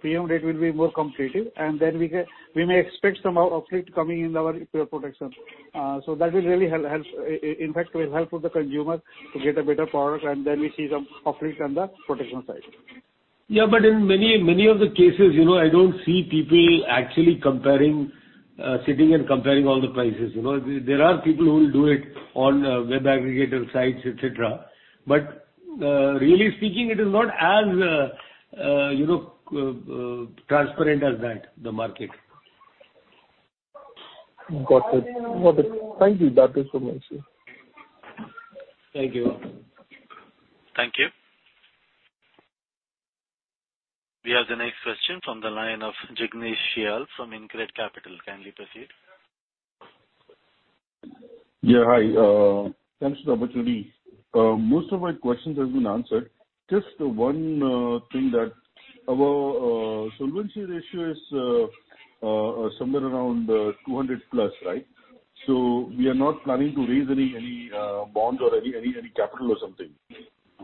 premium rate will be more competitive and then we may expect some uplift coming in our pure protection. That will really help, in fact will help with the consumer to get a better product and then we see some uplift on the protection side. Yeah. In many of the cases I don't see people actually comparing, sitting and comparing all the prices, you know. There are people who will do it on web aggregator sites, et cetera. Really speaking it is not as transparent as that, the market. Got it. Thank you. That is from my side. Thank you. Thank you. We have the next question from the line of Jignesh Shial from InCred Capital. Kindly proceed. Yeah. Hi, thanks for the opportunity. Most of my questions has been answered. Just one thing that our solvency ratio is somewhere around 200+, right? We are not planning to raise any bond or any capital or something.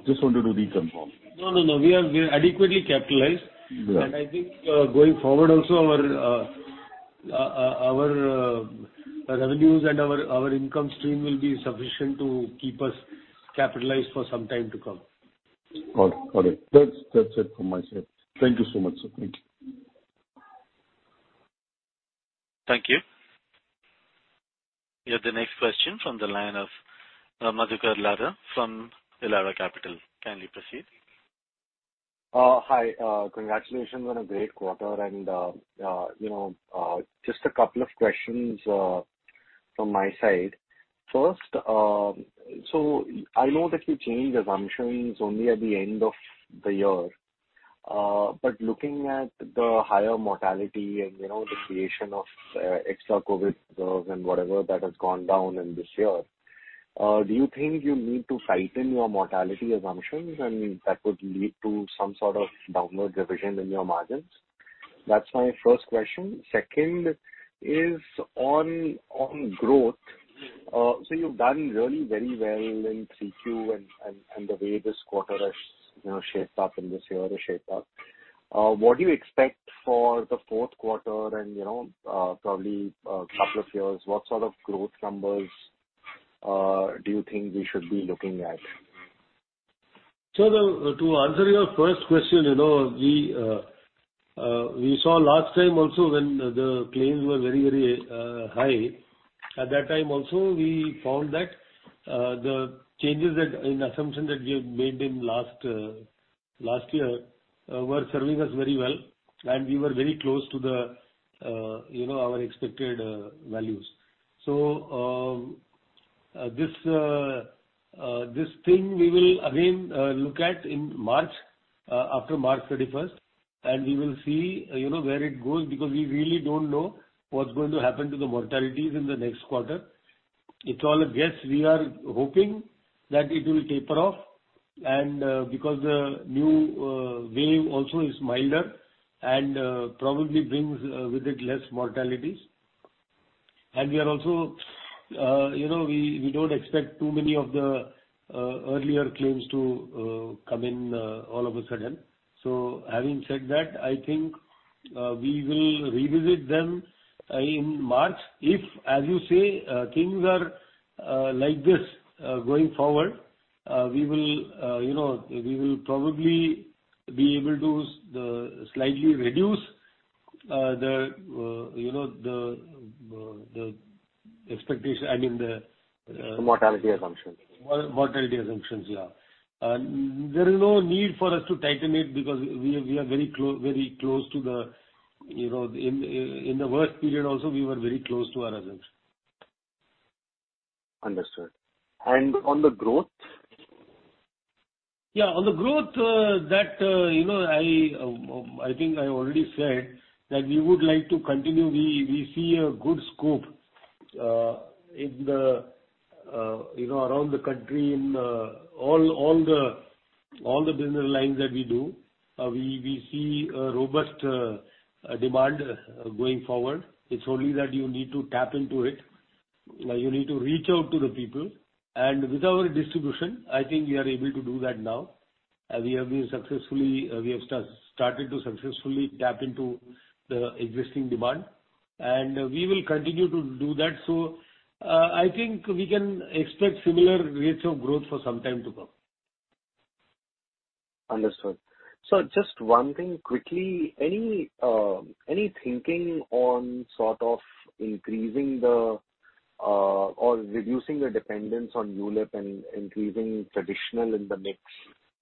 Just wanted to reconfirm. No. We are adequately capitalized. Yeah. I think, going forward also our revenues and our income stream will be sufficient to keep us capitalized for some time to come. Got it. That's it from my side. Thank you so much, sir. Thank you. Thank you. We have the next question from the line of Madhukar Ladha from Elara Capital. Kindly proceed. Hi. Congratulations on a great quarter. You know, just a couple of questions from my side. First, I know that you change assumptions only at the end of the year. Looking at the higher mortality and the creation of extra COVID reserve and whatever that has gone down in this year, do you think you need to tighten your mortality assumptions and that would lead to some sort of downward revision in your margins? That's my first question. Second is on growth. You've done really very well in Q3 and the way this quarter has shaped up and this year has shaped up. What do you expect for the Q4 and probably a couple of years, what sort of growth numbers do you think we should be looking at? To answer your first question we saw last time also when the claims were very high. At that time also we found that the changes in assumption that we made in last year were serving us very well and we were very close to the our expected values. This thing we will again look at in March after March thirty-first and we will see where it goes because we really don't know what's going to happen to the mortalities in the next quarter. It's all a guess. We are hoping that it will taper off because the new wave also is milder and probably brings with it less mortalities. We are also we don't expect too many of the earlier claims to come in all of a sudden. Having said that, I think we will revisit them in March. If as you say things are like this going forward, we will we will probably be able to slightly reduce the the expectation, I mean the. The mortality assumptions. Mortality assumptions, yeah. There is no need for us to tighten it because we are very close to the in the worst period also we were very close to our assumptions. Understood. On the growth? Yeah, on the growth I think I already said that we would like to continue. We see a good scope in the you know around the country in all the business lines that we do. We see a robust demand going forward. It's only that you need to tap into it. You need to reach out to the people. With our distribution, I think we are able to do that now. We have started to successfully tap into the existing demand and we will continue to do that. I think we can expect similar rates of growth for some time to come. Understood. Just one thing quickly. Any thinking on sort of increasing or reducing the dependence on ULIP and increasing traditional in the mix?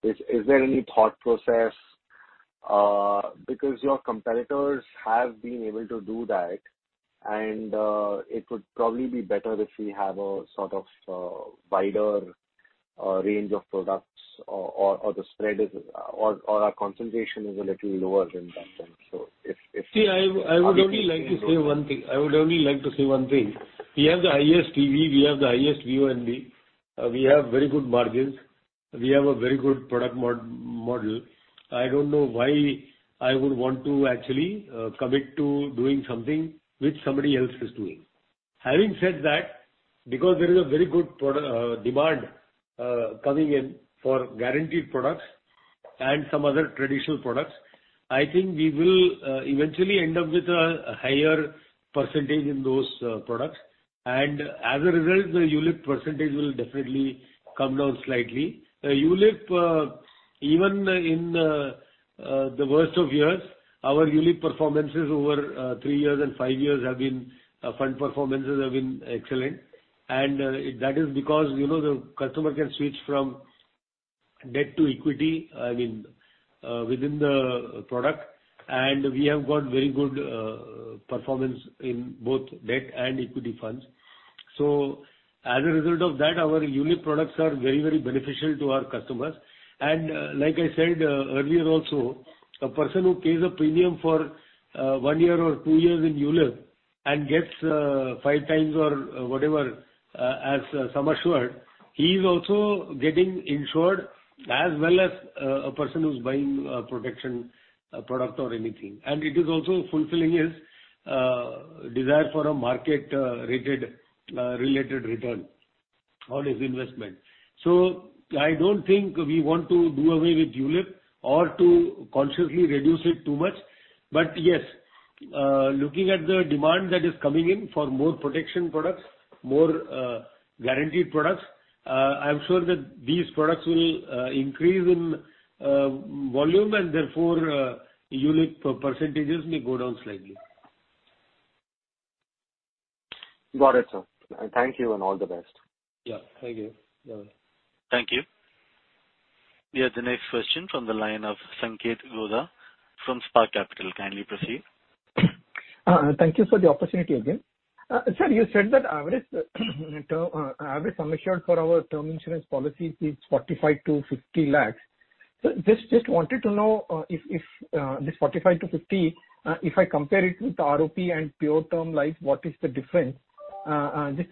Is there any thought process? Because your competitors have been able to do that and it would probably be better if we have a sort of wider range of products or the spread is or our concentration is a little lower than that then. If- See, I would only like to say one thing. We have the highest EV, we have the highest VONB. We have very good margins. We have a very good product model. I don't know why I would want to actually commit to doing something which somebody else is doing. Having said that, because there is a very good demand coming in for guaranteed products and some other traditional products, I think we will eventually end up with a higher percentage in those products and as a result the ULIP percentage will definitely come down slightly. ULIP, even in the worst of years, our ULIP fund performances over three years and five years have been excellent. That is because the customer can switch from debt to equity, I mean, within the product. We have got very good performance in both debt and equity funds. As a result of that, our ULIP products are very, very beneficial to our customers. Like I said earlier also, a person who pays a premium for one year or two years in ULIP and gets five times or whatever as sum assured, he is also getting insured as well as a person who's buying a protection product or anything. It is also fulfilling his desire for a market-related return on his investment. I don't think we want to do away with ULIP or to consciously reduce it too much. Yes, looking at the demand that is coming in for more protection products, more guaranteed products. I'm sure that these products will increase in volume and therefore unit percentages may go down slightly. Got it, sir. Thank you, and all the best. Yeah, thank you. Bye-bye. Thank you. We have the next question from the line of Sanketh Godha from Spark Capital. Kindly proceed. Thank you for the opportunity again. Sir, you said that average sum assured for our term insurance policies is 45-50 lakhs. Just wanted to know if this 45-50, if I compare it with the ROP and pure term life, what is the difference?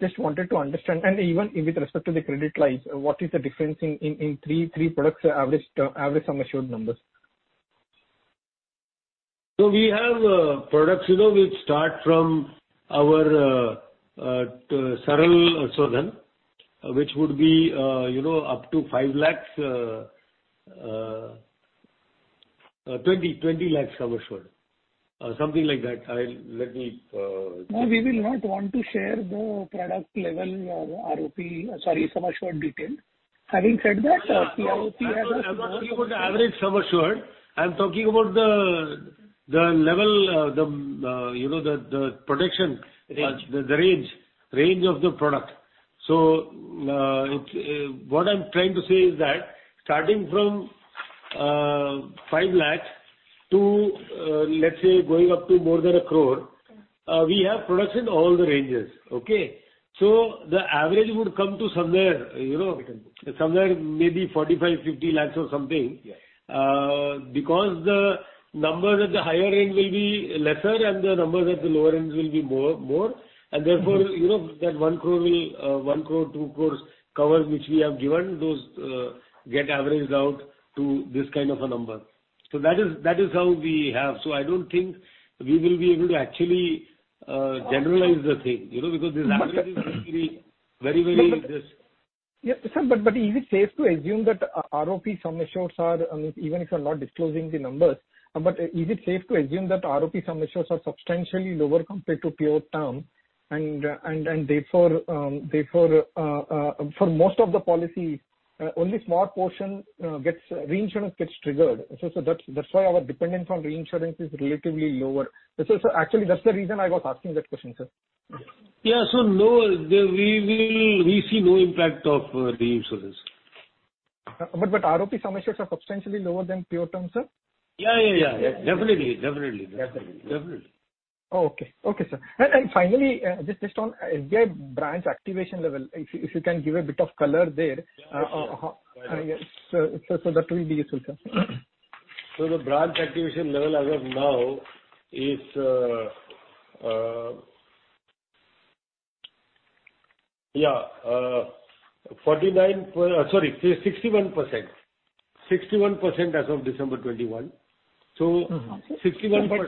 Just wanted to understand. Even with respect to the credit life, what is the difference in three products, average sum assured numbers? We have products which start from our Saral Jeevan Bima, which would be up to 5 lakhs-20 lakhs sum assured. Something like that. No, we will not want to share the product level or ROP, sorry, sum assured detail. Having said that, PIOP has- I'm not talking about the average sum assured. I'm talking about the level the protection. Range. The range of the product. It's what I'm trying to say is that starting from 5 lakh to let's say going up to more than 1 crore we have products in all the ranges. Okay. The average would come to somewhere you know maybe 45-50 lakhs or something. Yes. Because the numbers at the higher end will be lesser, and the numbers at the lower end will be more. Therefore, you know that 1 crore, 2 crore cover which we have given, those get averaged out to this kind of a number. That is how we have. I don't think we will be able to actually generalize the thing because this average is actually very like this. Sir, is it safe to assume that ROP sum assureds are, even if you're not disclosing the numbers, substantially lower compared to pure term and therefore, for most of the policy, only small portion gets reinsurance triggered. That's why our dependence on reinsurance is relatively lower. Actually that's the reason I was asking that question, sir. Yeah. We see low impact of reinsurance on this. ROP sum assureds are substantially lower than pure term, sir? Yeah. Definitely. Okay. Okay, sir. Finally, just based on SBI branch activation level, if you can give a bit of color there. Yeah, sure. That will be useful, sir. The branch activation level as of now is 61%. 61% as of December 2021. 61%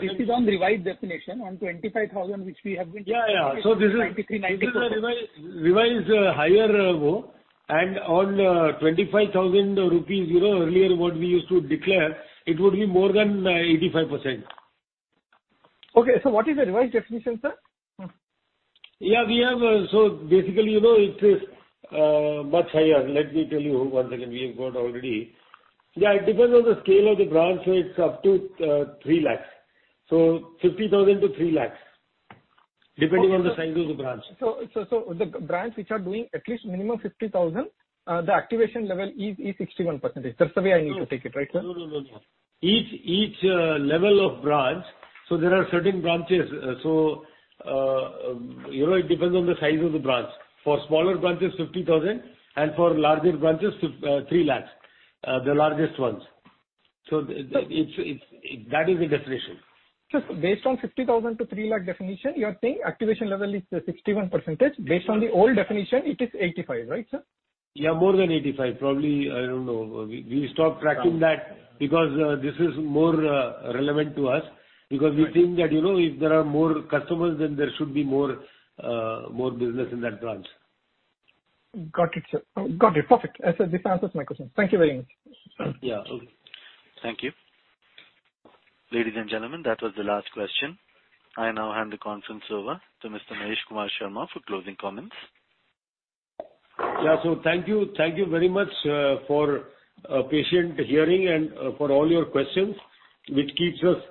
This is on revised definition, on 25,000 which we have been- This is a revised higher, and on 25,000 rupees earlier what we used to declare, it would be more than 85%. Okay. What is the revised definition, sir? Yeah, we have so basically it is much higher. Let me tell you one second. We have got already. Yeah, it depends on the scale of the branch. It's up to 3 lakhs. 50,000-3 lakhs, depending on the size of the branch. The branch which are doing at least minimum 50,000, the activation level is 61%. That's the way I need to take it, right, sir? No. Each level of branch, so there are certain branches. You know, it depends on the size of the branch. For smaller branches, 50,000, and for larger branches, 3 lakhs, the largest ones. It's that is the definition. Just based on 50,000-3 lakh definition, you are saying activation level is 61%. Based on the old definition, it is 85%, right, sir? Yeah, more than 85 probably. I don't know. We stopped tracking that because this is more relevant to us because we think that if there are more customers, then there should be more business in that branch. Got it, sir. Got it. Perfect. This answers my question. Thank you very much. Yeah. Okay. Thank you. Ladies and gentlemen, that was the last question. I now hand the conference over to Mr. Mahesh Kumar Sharma for closing comments. Thank you. Thank you very much for patiently hearing and for all your questions. It keeps us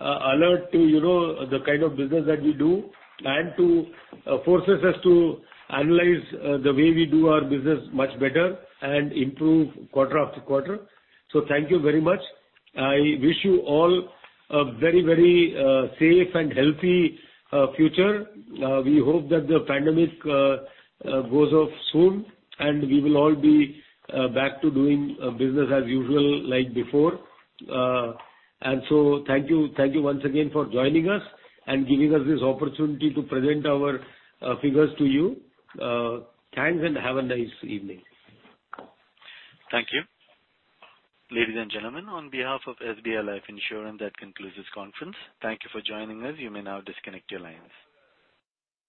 alert to the kind of business that we do and it forces us to analyze the way we do our business much better and improve quarter after quarter. Thank you very much. I wish you all a very, very safe and healthy future. We hope that the pandemic goes off soon and we will all be back to doing business as usual like before. Thank you. Thank you once again for joining us and giving us this opportunity to present our figures to you. Thanks and have a nice evening. Thank you. Ladies and gentlemen, on behalf of SBI Life Insurance, that concludes this conference. Thank you for joining us. You may now disconnect your lines.